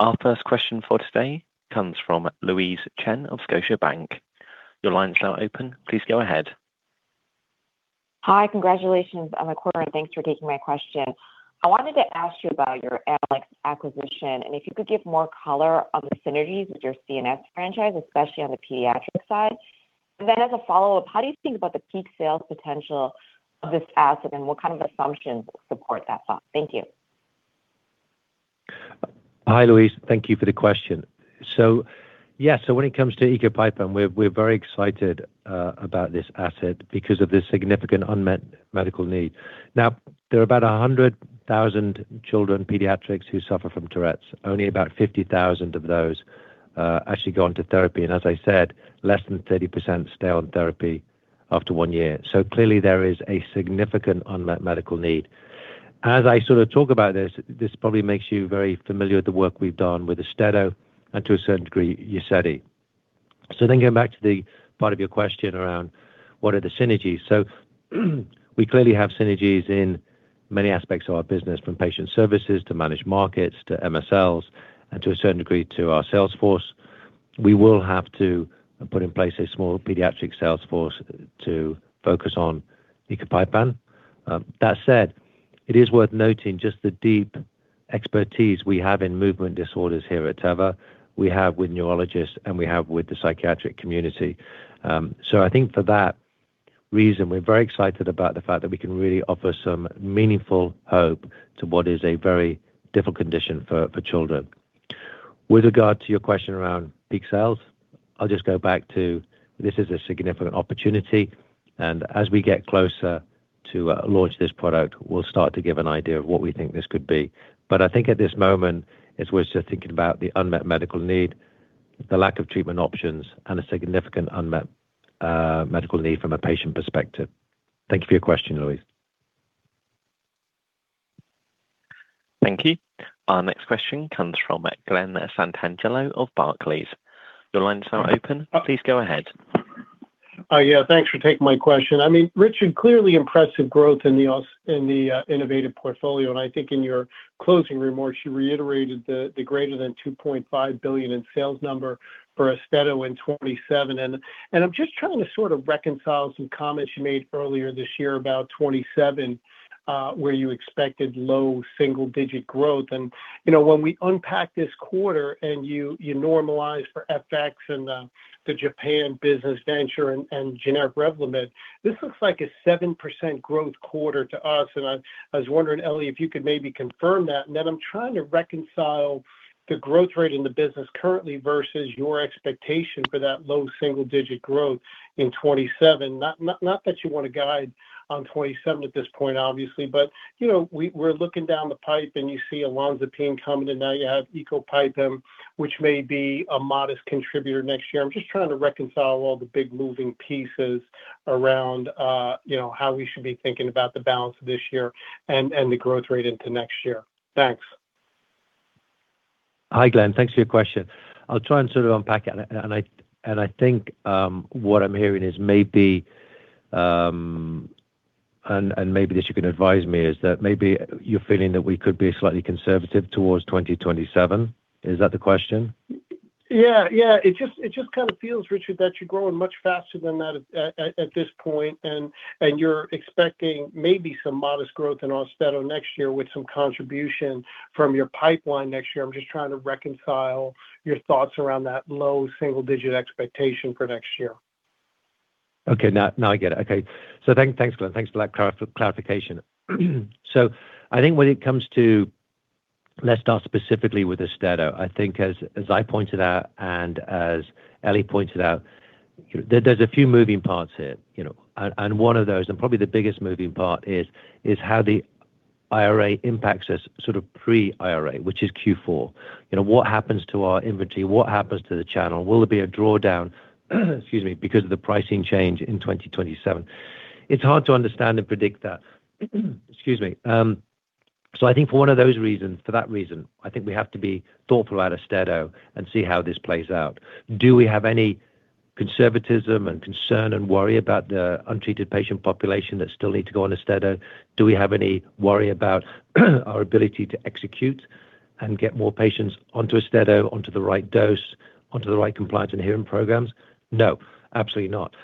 Our first question for today comes from Louise Chen of Scotiabank. Your line is now open. Please go ahead. Hi. Congratulations on the quarter, and thanks for taking my question. I wanted to ask you about your Amylyx acquisition and if you could give more color on the synergies with your CNS franchise, especially on the pediatric side. As a follow-up, how do you think about the peak sales potential of this asset, and what kind of assumptions support that thought? Thank you. Hi, Louise. Thank you for the question. Yeah. When it comes to ecopipam, we're very excited about this asset because of the significant unmet medical need. Now, there are about 100,000 children pediatrics who suffer from Tourette's. Only about 50,000 of those actually go on to therapy. As I said, less than 30% stay on therapy after one year. Clearly there is a significant unmet medical need. As I sort of talk about this probably makes you very familiar with the work we've done with Austedo and to a certain degree, UZEDY. Going back to the part of your question around what are the synergies. We clearly have synergies in many aspects of our business, from patient services to managed markets to MSLs and to a certain degree, to our sales force. We will have to put in place a small pediatric sales force to focus on ecopipam. That said, it is worth noting just the deep expertise we have in movement disorders here at Teva, we have with neurologists, and we have with the psychiatric community. I think for that reason, we're very excited about the fact that we can really offer some meaningful hope to what is a very difficult condition for children. With regard to your question around peak sales, I'll just go back to this is a significant opportunity, and as we get closer to launch this product, we'll start to give an idea of what we think this could be. I think at this moment, it's worth just thinking about the unmet medical need, the lack of treatment options, and a significant unmet medical need from a patient perspective. Thank you for your question, Louise. Thank you. Our next question comes from Glen Santangelo of Barclays. Your line is now open. Please go ahead. Yeah. Thanks for taking my question. I mean, Richard, clearly impressive growth in the innovative portfolio, I think in your closing remarks, you reiterated the greater than $2.5 billion in sales number for Austedo in 2027. I'm just trying to sort of reconcile some comments you made earlier this year about 2027, where you expected low single-digit growth. You know, when we unpack this quarter and you normalize for FX and the Japan business venture and generic Revlimid, this looks like a 7% growth quarter to us. I was wondering, Eli, if you could maybe confirm that. Then I'm trying to reconcile the growth rate in the business currently versus your expectation for that low single-digit growth in 2027. Not that you want to guide on 2027 at this point, obviously. You know, we're looking down the pipe and you see olanzapine coming in, now you have Ecopipam, which may be a modest contributor next year. I'm just trying to reconcile all the big moving pieces around, you know, how we should be thinking about the balance this year and the growth rate into next year. Thanks. Hi, Glen. Thanks for your question. I'll try and sort of unpack it. I think what I'm hearing is maybe, and maybe this you can advise me is that maybe you're feeling that we could be slightly conservative towards 2027. Is that the question? Yeah. Yeah. It just kind of feels, Richard, that you're growing much faster than that at this point and you're expecting maybe some modest growth in Austedo next year with some contribution from your pipeline next year. I'm just trying to reconcile your thoughts around that low single-digit expectation for next year. Okay, now I get it. Okay. Thanks, Glen. Thanks for that clarification. I think when it comes to... Let's start specifically with Austedo. I think as I pointed out and as Eli pointed out, there's a few moving parts here, you know. And one of those, and probably the biggest moving part is how the IRA impacts us sort of pre-IRA, which is Q4. You know, what happens to our inventory? What happens to the channel? Will there be a drawdown, excuse me, because of the pricing change in 2027? It's hard to understand and predict that. Excuse me. I think for one of those reasons, for that reason, I think we have to be thoughtful about Austedo and see how this plays out. Do we have any conservatism and concern and worry about the untreated patient population that still need to go on Austedo? Do we have any worry about our ability to execute and get more patients onto Austedo, onto the right dose, onto the right compliance and hearing programs? No, absolutely not.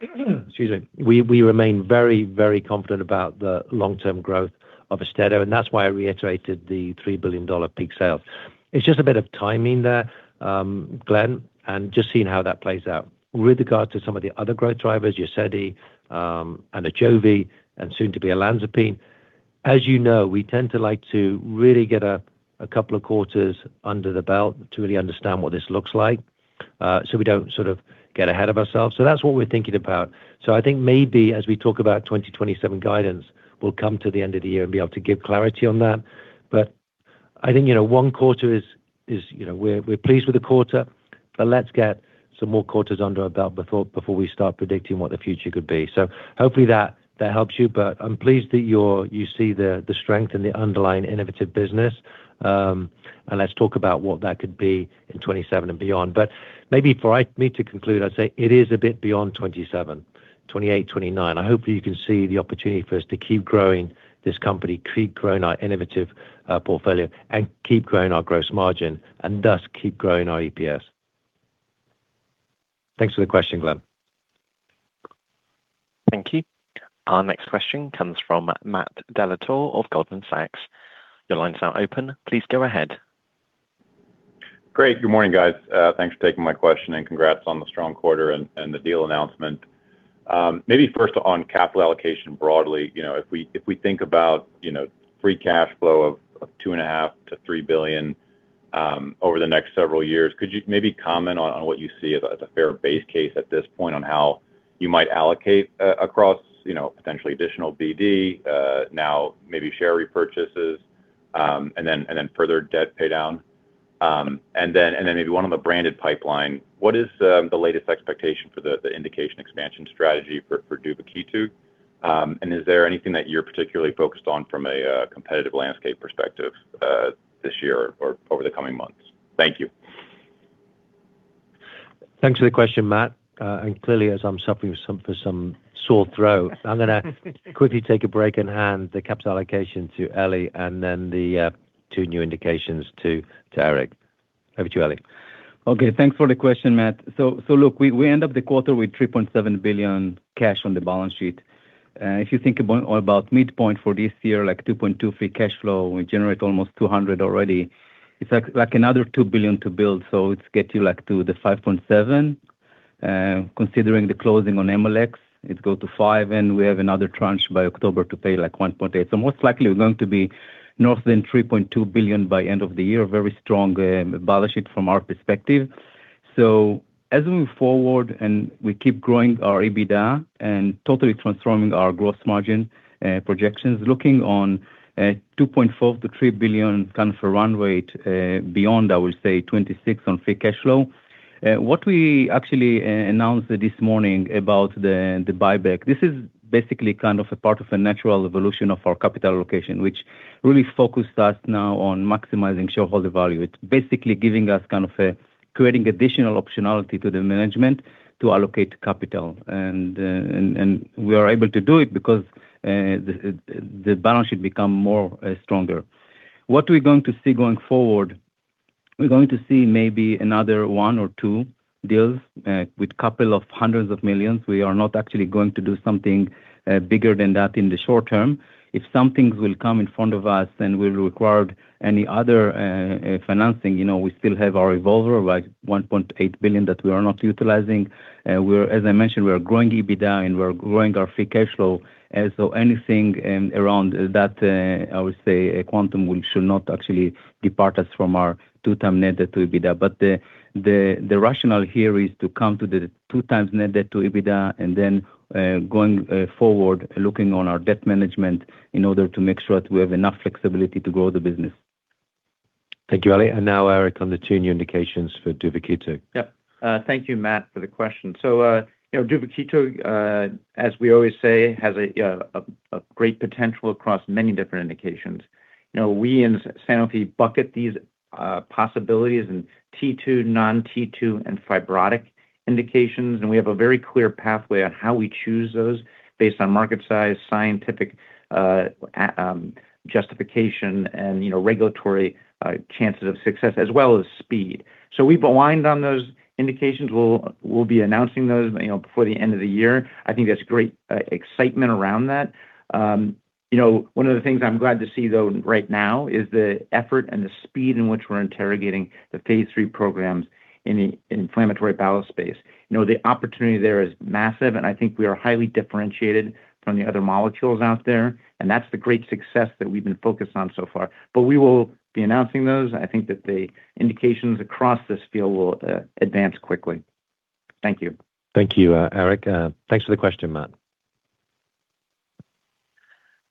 Excuse me. We remain very, very confident about the long-term growth of Austedo, and that's why I reiterated the $3 billion peak sales. It's just a bit of timing there, Glen, and just seeing how that plays out. With regards to some of the other growth drivers, UZEDY, and AJOVY, and soon to be olanzapine, as you know, we tend to like to really get a couple of quarters under the belt to really understand what this looks like, so we don't sort of get ahead of ourselves. That's what we're thinking about. I think maybe as we talk about 2027 guidance, we'll come to the end of the year and be able to give clarity on that. I think, you know, 1 quarter is, you know, We're pleased with the quarter, but let's get some more quarters under our belt before we start predicting what the future could be. Hopefully that helps you, but I'm pleased that you see the strength in the underlying innovative business. And let's talk about what that could be in 2027 and beyond. Maybe for me to conclude, I'd say it is a bit beyond 2027, 2028, 2029. I hope you can see the opportunity for us to keep growing this company, keep growing our innovative portfolio, and keep growing our gross margin, and thus keep growing our EPS. Thanks for the question, Glen. Thank you. Our next question comes from Matthew DeLaTorre of Goldman Sachs. Your line's now open. Please go ahead. Great. Good morning, guys. Thanks for taking my question, and congrats on the strong quarter and the deal announcement. Maybe first on capital allocation broadly. You know, if we think about, you know, free cash flow of $2.5 billion-$3 billion over the next several years, could you maybe comment on what you see as a fair base case at this point on how you might allocate across, you know, potentially additional BD, now maybe share repurchases, and then further debt pay down? Maybe one on the branded pipeline. What is the latest expectation for the indication expansion strategy for duvakitug? Is there anything that you're particularly focused on from a competitive landscape perspective this year or over the coming months? Thank you. Thanks for the question, Matt. Clearly, as I'm suffering for some sore throat, I'm gonna quickly take a break and hand the capital allocation to Eli and then the two new indications to Eric. Over to you, Eli. Thanks for the question, Matt. Look, we end up the quarter with $3.7 billion cash on the balance sheet. If you think about midpoint for this year, like $2.2 billion free cash flow, we generate almost $200 million already. It's like another $2 billion to build, it gets you like to the $5.7 billion. Considering the closing on Amylyx, it go to $5 billion, and we have another tranche by October to pay like $1.8 billion. Most likely, we're going to be north than $3.2 billion by end of the year. Very strong balance sheet from our perspective. As we move forward and we keep growing our EBITDA and totally transforming our gross margin projections, looking on $2.4 billion-$3 billion kind of a run rate beyond, I would say, 2026 on free cash flow. What we actually announced this morning about the buyback, this is basically kind of a part of a natural evolution of our capital allocation, which really focus us now on maximizing shareholder value. It's basically giving us kind of a creating additional optionality to the management to allocate capital. We are able to do it because the balance sheet become more stronger. What we're going to see going forward, we're going to see maybe another one or two deals with couple of hundreds of millions. We are not actually going to do something bigger than that in the short term. If some things will come in front of us and will require any other financing, you know, we still have our revolver of like $1.8 billion that we are not utilizing. We're, as I mentioned, we are growing EBITDA, and we are growing our free cash flow. Anything around that, I would say quantum should not actually depart us from our 2x net to EBITDA. The rationale here is to come to the 2x net debt to EBITDA and then going forward, looking on our debt management in order to make sure that we have enough flexibility to grow the business. Thank you, Eli. Now, Eric, on the two new indications for duvakitug. Yep. Thank you, Matthew, for the question. You know, duvakitug, as we always say, has a great potential across many different indications. You know, we in Sanofi bucket these possibilities in T2, non-T2, and fibrotic indications, and we have a very clear pathway on how we choose those based on market size, scientific justification and, you know, regulatory chances of success, as well as speed. We've aligned on those indications. We'll be announcing those, you know, before the end of the year. I think there's great excitement around that. You know, one of the things I'm glad to see though right now is the effort and the speed in which we're interrogating the phase III programs in the inflammatory bowel space. You know, the opportunity there is massive. I think we are highly differentiated from the other molecules out there. That's the great success that we've been focused on so far. We will be announcing those. I think that the indications across this field will advance quickly. Thank you. Thank you, Eric. Thanks for the question, Matt.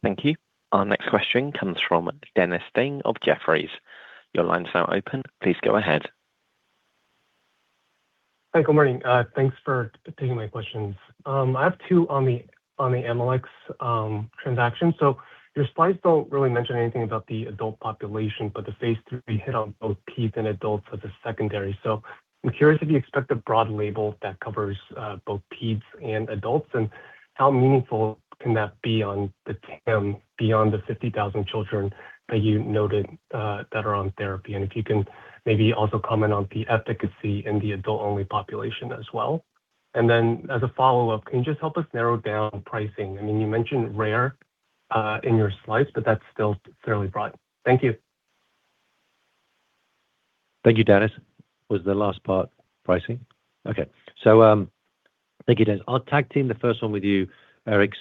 Thank you. Our next question comes from Dennis Ding of Jefferies. Your line's now open. Please go ahead. Hi. Good morning. Thanks for taking my questions. I have two on the Amylyx transaction. Your slides don't really mention anything about the adult population, but the phase III hit on both peds and adults as a secondary. I'm curious if you expect a broad label that covers both peds and adults, and how meaningful can that be on the TAM beyond the 50,000 children that you noted that are on therapy? If you can maybe also comment on the efficacy in the adult-only population as well. As a follow-up, can you just help us narrow down pricing? I mean, you mentioned rare in your slides, but that's still fairly broad. Thank you. Thank you, Dennis. Was the last part pricing? Okay. Thank you, Dennis. I'll tag-team the first one with you, Eric.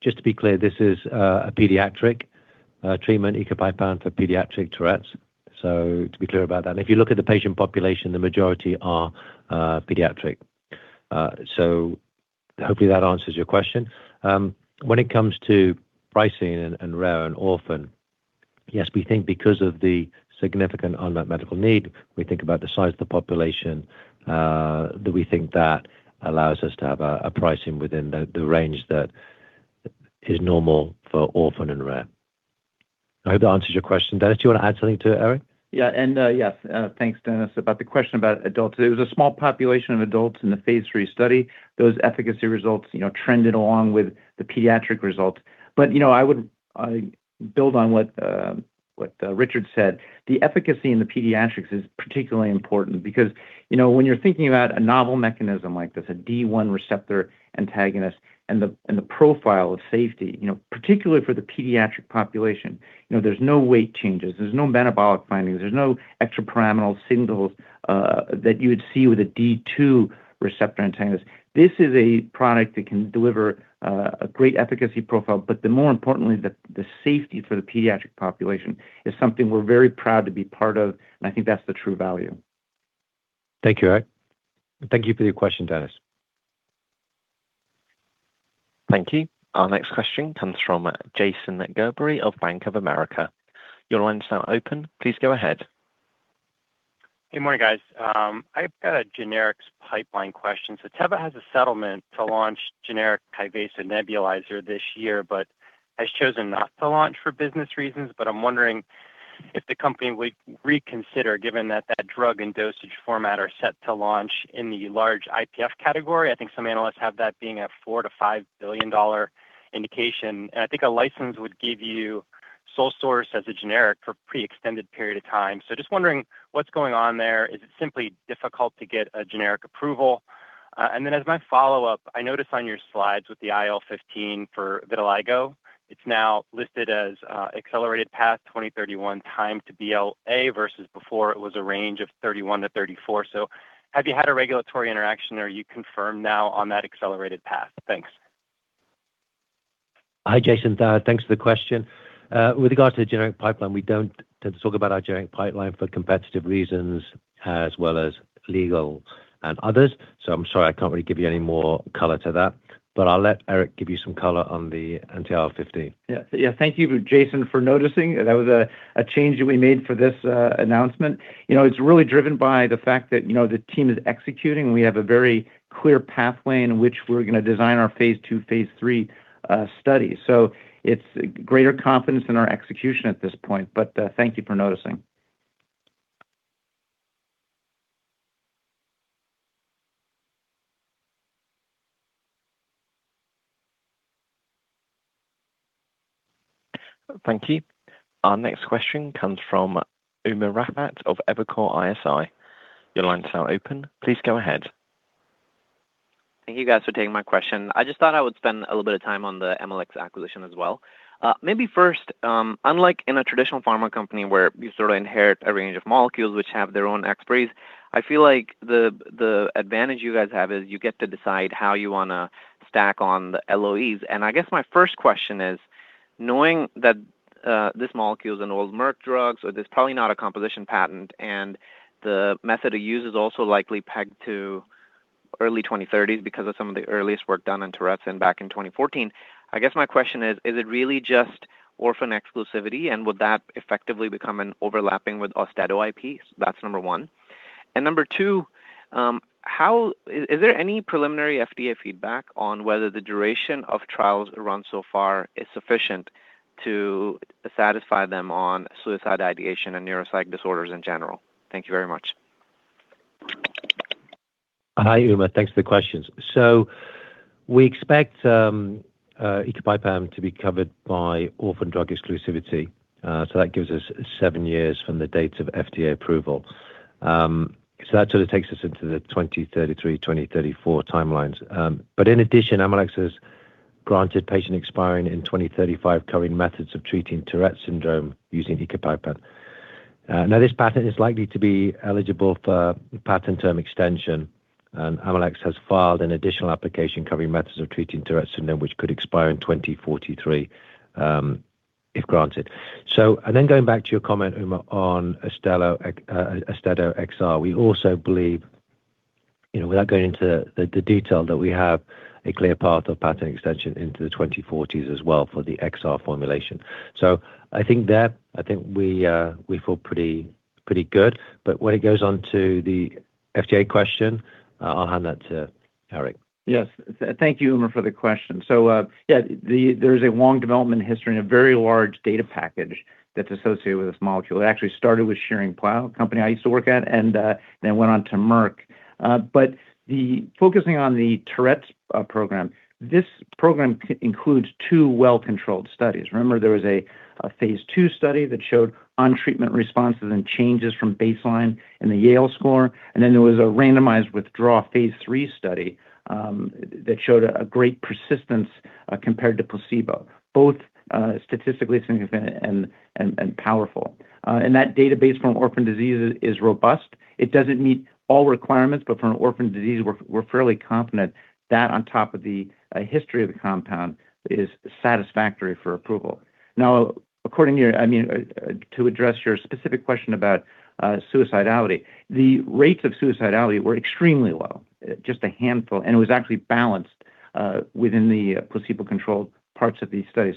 Just to be clear, this is a pediatric treatment, ecopipam for pediatric Tourette's. To be clear about that. If you look at the patient population, the majority are pediatric. Hopefully that answers your question. When it comes to pricing and rare and orphan, yes, we think because of the significant unmet medical need, we think about the size of the population, that we think that allows us to have a pricing within the range that is normal for orphan and rare. I hope that answers your question, Dennis. Do you want to add something to it, Eric? Yes, thanks, Dennis. About the question about adults, it was a small population of adults in the phase III study. Those efficacy results, you know, trended along with the pediatric results. You know, I would build on what Richard said. The efficacy in the pediatrics is particularly important because, you know, when you're thinking about a novel mechanism like this, a D1 receptor antagonist and the profile of safety, you know, particularly for the pediatric population, you know, there's no weight changes. There's no metabolic findings. There's no extrapyramidal signals that you would see with a D2 receptor antagonist. This is a product that can deliver a great efficacy profile, but more importantly, the safety for the pediatric population is something we're very proud to be part of, and I think that's the true value. Thank you, Eric. Thank you for your question, Dennis. Thank you. Our next question comes from Jason Gerberry of Bank of America. Good morning, guys. I've got a generics pipeline question. Teva has a settlement to launch generic QVAR nebulizer this year but has chosen not to launch for business reasons. I'm wondering if the company would reconsider given that that drug and dosage format are set to launch in the large IPF category. I think some analysts have that being a $4 billion-$5 billion indication. I think a license would give you sole source as a generic for pre-extended period of time. Just wondering what's going on there. Is it simply difficult to get a generic approval? As my follow-up, I noticed on your slides with the IL-15 for vitiligo, it's now listed as accelerated path 2031 time to BLA versus before it was a range of 2031 to 2034. Have you had a regulatory interaction, or are you confirmed now on that accelerated path? Thanks. Hi, Jason. Thanks for the question. With regards to the generic pipeline, we don't tend to talk about our generic pipeline for competitive reasons as well as legal and others. I'm sorry, I can't really give you any more color to that. I'll let Eric give you some color on the anti-IL-15. Yeah. Yeah. Thank you, Jason, for noticing. That was a change that we made for this announcement. You know, it's really driven by the fact that, you know, the team is executing. We have a very clear pathway in which we're gonna design our phase II, phase III studies. It's greater confidence in our execution at this point. Thank you for noticing. Thank you. Our next question comes from Umer Raffat of Evercore ISI. Your line's now open. Please go ahead. Thank you guys for taking my question. I just thought I would spend a little bit of time on the Amylyx acquisition as well. Maybe first, unlike in a traditional pharma company where you sort of inherit a range of molecules which have their own expiries, I feel like the advantage you guys have is you get to decide how you wanna stack on the LOEs. I guess my first question is, knowing that this molecule is an old Merck drug, so there's probably not a composition patent and the method of use is also likely pegged to early 2030s because of some of the earliest work done in Tourette's and back in 2014, I guess my question is it really just orphan exclusivity, and would that effectively become an overlapping with Austedo IP? So that's number 1. number 2, how? Is there any preliminary FDA feedback on whether the duration of trials run so far is sufficient to satisfy them on suicide ideation and neuropsych disorders in general? Thank you very much. Hi, Umer. Thanks for the questions. We expect ecopipam to be covered by orphan drug exclusivity. That gives us 7 years from the date of FDA approval. That sort of takes us into the 2033, 2034 timelines. In addition, Amylyx has granted patent expiring in 2035 covering methods of treating Tourette syndrome using ecopipam. This patent is likely to be eligible for patent term extension, and Amylyx has filed an additional application covering methods of treating Tourette syndrome, which could expire in 2043. If granted. Going back to your comment, Umer, on Austedo XR, we also believe, you know, without going into the detail that we have a clear path of patent extension into the 2040s as well for the XR formulation. I think that, I think we feel pretty good. When it goes on to the FDA question, I'll hand that to Eric. Yes. Thank you, Umer, for the question. Yeah, there's a long development history and a very large data package that's associated with this molecule. It actually started with Schering-Plough, a company I used to work at, and then went on to Merck. Focusing on the Tourette's program, this program includes two well-controlled studies. Remember, there was a phase II study that showed on-treatment responses and changes from baseline in the YGTSS score, then there was a randomized withdraw phase III study that showed a great persistence compared to placebo, both statistically significant and powerful. That database from orphan disease is robust. It doesn't meet all requirements, but from an orphan disease we're fairly confident that on top of the history of the compound is satisfactory for approval. To address your specific question about suicidality, the rates of suicidality were extremely low, just a handful, and it was actually balanced within the placebo-controlled parts of these studies.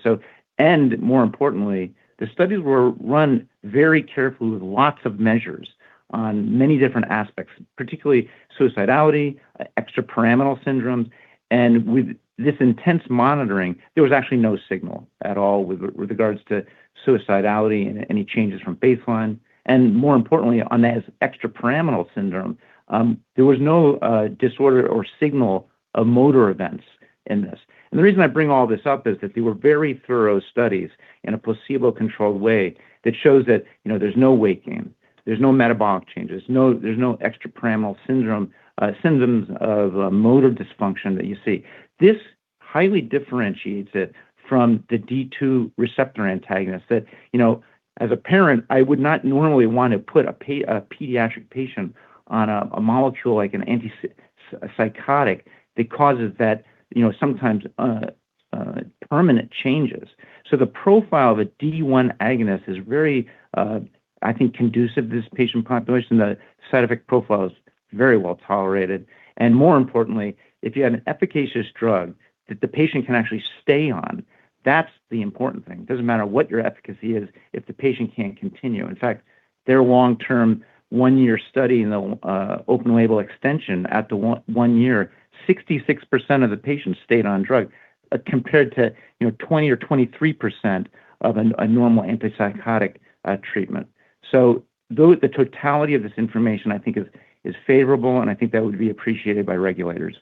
More importantly, the studies were run very carefully with lots of measures on many different aspects, particularly suicidality, extrapyramidal syndromes. With this intense monitoring, there was actually no signal at all with regards to suicidality and any changes from baseline. More importantly, on that extrapyramidal syndrome, there was no disorder or signal of motor events in this. The reason I bring all this up is that they were very thorough studies in a placebo-controlled way that shows that, you know, there's no weight gain, there's no metabolic changes, there's no extrapyramidal syndrome symptoms of motor dysfunction that you see. This highly differentiates it from the D2 receptor antagonist that, you know, as a parent, I would not normally want to put a pediatric patient on a molecule like an antipsychotic that causes that, you know, sometimes, permanent changes. The profile of a D1 antagonist is very, I think conducive to this patient population. The side effect profile is very well tolerated. More importantly, if you have an efficacious drug that the patient can actually stay on, that's the important thing. It doesn't matter what your efficacy is if the patient can't continue. In fact, their long-term 1-year study in the open-label extension at the 1 year, 66% of the patients stayed on drug, compared to, you know, 20% or 23% of a normal antipsychotic treatment. The totality of this information I think is favorable, and I think that would be appreciated by regulators.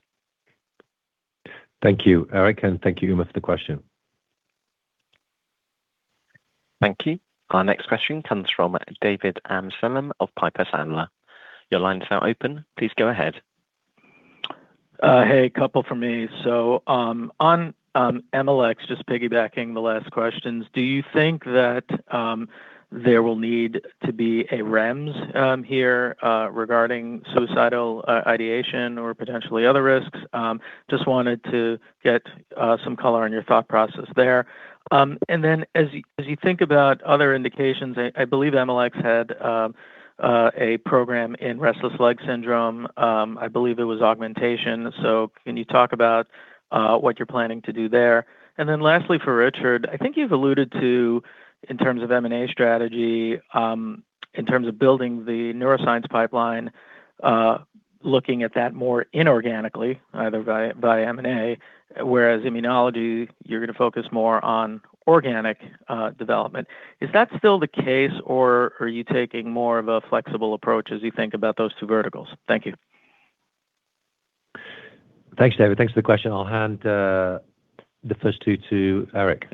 Thank you, Eric, and thank you, Umer Raffat, for the question. Thank you. Our next question comes from David Amsellem of Piper Sandler. Your line is now open. Please go ahead. Hey, a couple from me. On AMLX, just piggybacking the last questions, do you think that there will need to be a REMS here regarding suicidal ideation or potentially other risks? Just wanted to get some color on your thought process there. As you, as you think about other indications, I believe AMLX had a program in restless leg syndrome. I believe it was augmentation. Can you talk about what you're planning to do there? Lastly for Richard, I think you've alluded to in terms of M&A strategy, in terms of building the neuroscience pipeline, looking at that more inorganically, either via M&A, whereas immunology, you're gonna focus more on organic development. Is that still the case or are you taking more of a flexible approach as you think about those two verticals? Thank you. Thanks, David. Thanks for the question. I'll hand the first two to Eric.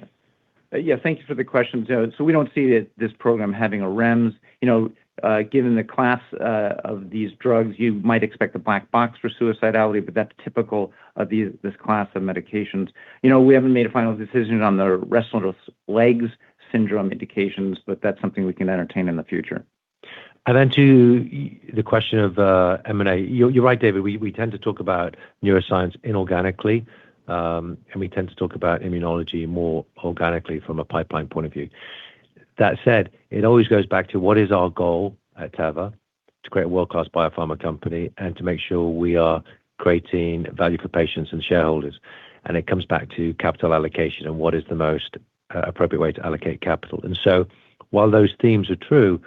Yeah, thank you for the question, David. We don't see this program having a REMS. You know, given the class of these drugs, you might expect a black box for suicidality, but that's typical of this class of medications. You know, we haven't made a final decision on the restless leg syndrome indications, but that's something we can entertain in the future. The question of M&A. You're right, David. We tend to talk about neuroscience inorganically, and we tend to talk about immunology more organically from a pipeline point of view. That said, it always goes back to what is our goal at Teva to create a world-class biopharma company and to make sure we are creating value for patients and shareholders. It comes back to capital allocation and what is the most appropriate way to allocate capital. While those themes are true,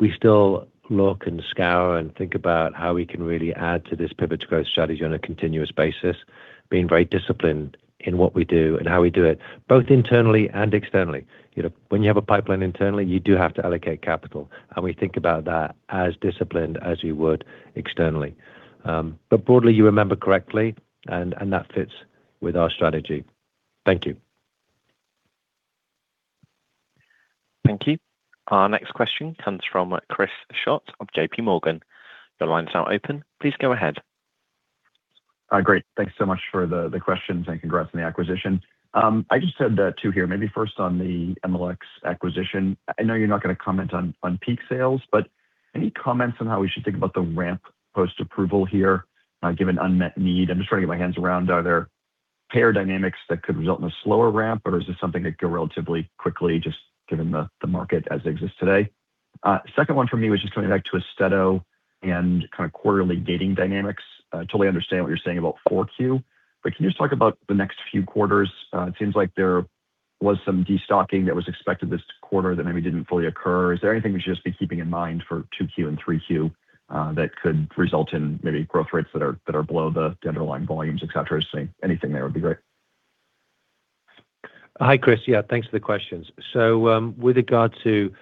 we still look and scour and think about how we can really add to this Pivot to Growth strategy on a continuous basis, being very disciplined in what we do and how we do it, both internally and externally. You know, when you have a pipeline internally, you do have to allocate capital, and we think about that as disciplined as you would externally. Broadly, you remember correctly and that fits with our strategy. Thank you. Thank you. Our next question comes from Chris Schott of J.P. Morgan. Your line is now open. Please go ahead. Great. Thanks so much for the questions. Congrats on the acquisition. I just had two here. Maybe first on the AMLX acquisition. I know you're not gonna comment on peak sales. Any comments on how we should think about the ramp post-approval here, given unmet need? I'm just trying to get my hands around are there payer dynamics that could result in a slower ramp, or is this something that could go relatively quickly just given the market as it exists today? Second one for me was just coming back to Austedo and kind of quarterly dating dynamics. I totally understand what you're saying about 4Q. Can you just talk about the next few quarters? It seems like there was some destocking that was expected this quarter that maybe didn't fully occur. Is there anything we should just be keeping in mind for 2Q and 3Q, that could result in maybe growth rates that are below the underlying volumes, et cetera? Anything there would be great. Hi, Chris. Yeah, thanks for the questions. With regard to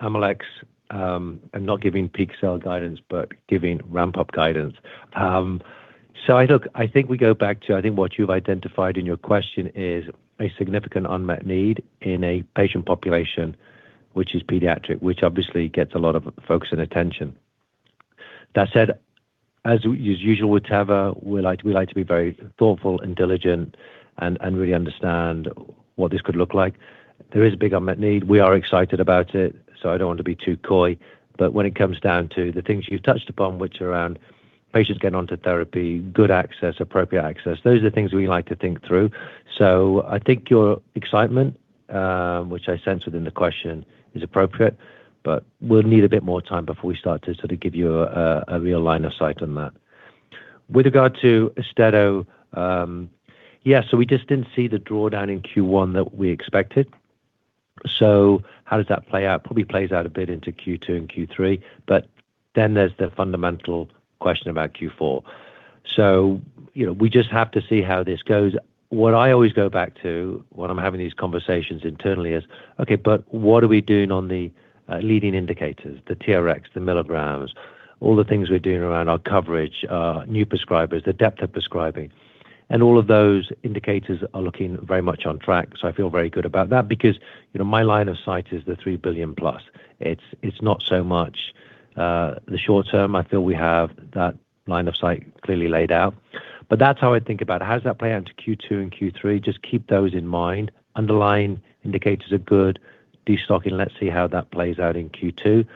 Amylyx, I'm not giving peak sale guidance, but giving ramp-up guidance. I think we go back to I think what you've identified in your question is a significant unmet need in a patient population, which is pediatric, which obviously gets a lot of focus and attention. That said, as usual with Teva, we like to be very thoughtful and diligent and really understand what this could look like. There is a big unmet need. We are excited about it, so I don't want to be too coy. When it comes down to the things you've touched upon, which are around patients getting onto therapy, good access, appropriate access, those are the things we like to think through. I think your excitement, which I sense within the question, is appropriate, but we'll need a bit more time before we start to sort of give you a real line of sight on that. With regard to Austedo, we just didn't see the drawdown in Q1 that we expected. How does that play out? Probably plays out a bit into Q2 and Q3. There's the fundamental question about Q4. You know, we just have to see how this goes. What I always go back to when I'm having these conversations internally is, okay, but what are we doing on the leading indicators, the TRX, the milligrams, all the things we're doing around our coverage, new prescribers, the depth of prescribing? All of those indicators are looking very much on track, so I feel very good about that because, you know, my line of sight is the $3 billion plus. It's not so much the short term. I feel we have that line of sight clearly laid out. That's how I think about it. How does that play out into Q2 and Q3? Just keep those in mind. Underlying indicators are good. Destocking, let's see how that plays out in Q2.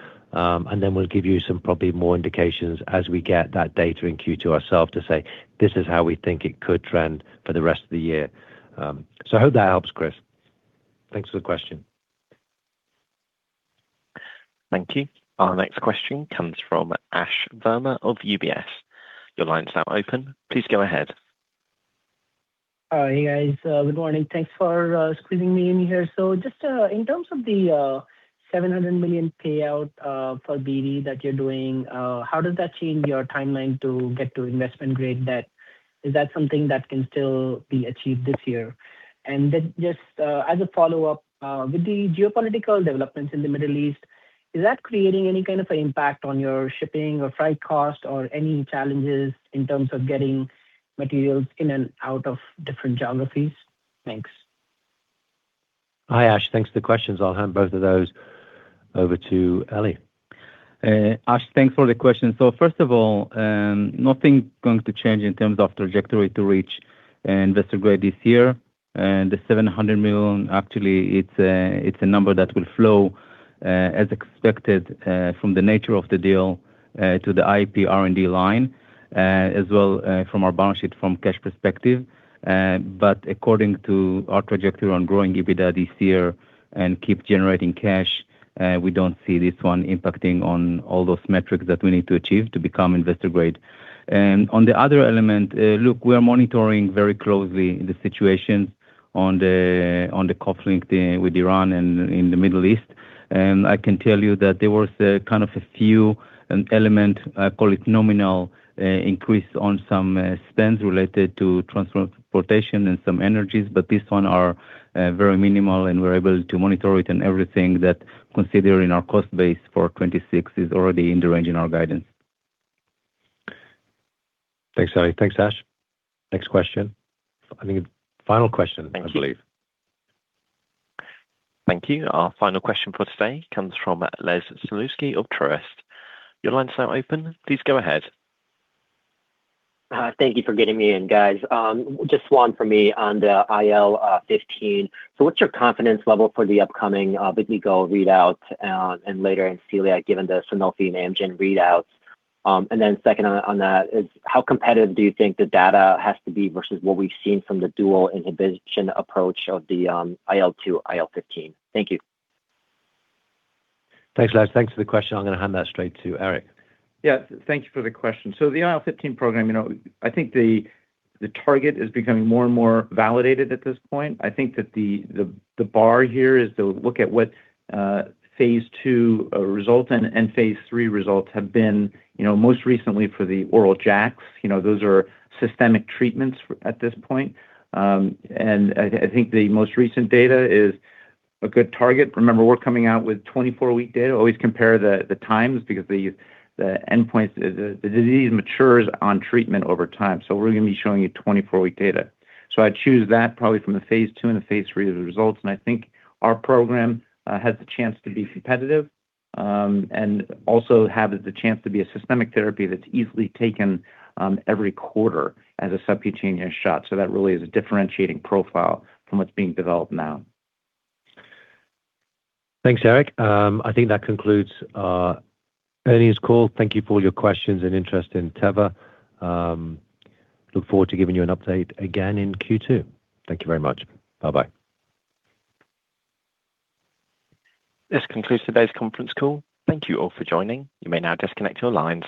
We'll give you some probably more indications as we get that data in Q2 ourselves to say, "This is how we think it could trend for the rest of the year." I hope that helps, Chris. Thanks for the question. Thank you. Our next question comes from Ashish Verma of UBS. Your line's now open. Please go ahead. Hey, guys. Good morning. Thanks for squeezing me in here. Just in terms of the $700 million payout for BD that you're doing, how does that change your timeline to get to investment grade debt? Is that something that can still be achieved this year? Just as a follow-up, with the geopolitical developments in the Middle East, is that creating any kind of impact on your shipping or freight cost or any challenges in terms of getting materials in and out of different geographies? Thanks. Hi, Ash. Thanks for the questions. I'll hand both of those over to Eli. Ash, thanks for the question. First of all, nothing going to change in terms of trajectory to reach investor grade this year. The $700 million, actually it's a number that will flow as expected from the nature of the deal to the IP R&D line as well from our balance sheet from cash perspective. According to our trajectory on growing EBITDA this year and keep generating cash, we don't see this one impacting on all those metrics that we need to achieve to become investor grade. On the other element, look, we are monitoring very closely the situation on the conflict with Iran and in the Middle East. I can tell you that there was a kind of a few element, I call it nominal, increase on some, spends related to transportation and some energies, but this one are, very minimal, and we're able to monitor it. Everything that considering our cost base for 2026 is already in the range in our guidance. Thanks, Eli. Thanks, Ash. Next question. I think final question, I believe. Thank you. Our final question for today comes from Les Sielicki of Truist. Your line's now open. Please go ahead. Thank you for getting me in, guys. Just one for me on the IL-15. What's your confidence level for the upcoming Big Eagle readout and later in celiac, given the Sanofi and Amgen readouts? Second on that is how competitive do you think the data has to be versus what we've seen from the dual inhibition approach of the IL-2, IL-15? Thank you. Thanks, Les. Thanks for the question. I'm gonna hand that straight to Eric. Yeah, thank you for the question. The IL-15 program, you know, I think the target is becoming more and more validated at this point. I think that the, the bar here is to look at what phase II results and phase III results have been, you know, most recently for the oral JAKs. You know, those are systemic treatments at this point. I think the most recent data is a good target. Remember, we're coming out with 24 week data. Always compare the times because the endpoint is the disease matures on treatment over time. We're gonna be showing you 24 week data. I choose that probably from the phase II and the phase III results, and I think our program has the chance to be competitive, and also has the chance to be a systemic therapy that's easily taken every quarter as a subcutaneous shot. That really is a differentiating profile from what's being developed now. Thanks, Eric. I think that concludes our earnings call. Thank you for all your questions and interest in Teva. Look forward to giving you an update again in Q2. Thank you very much. Bye-bye. This concludes today's conference call. Thank you all for joining. You may now disconnect your lines.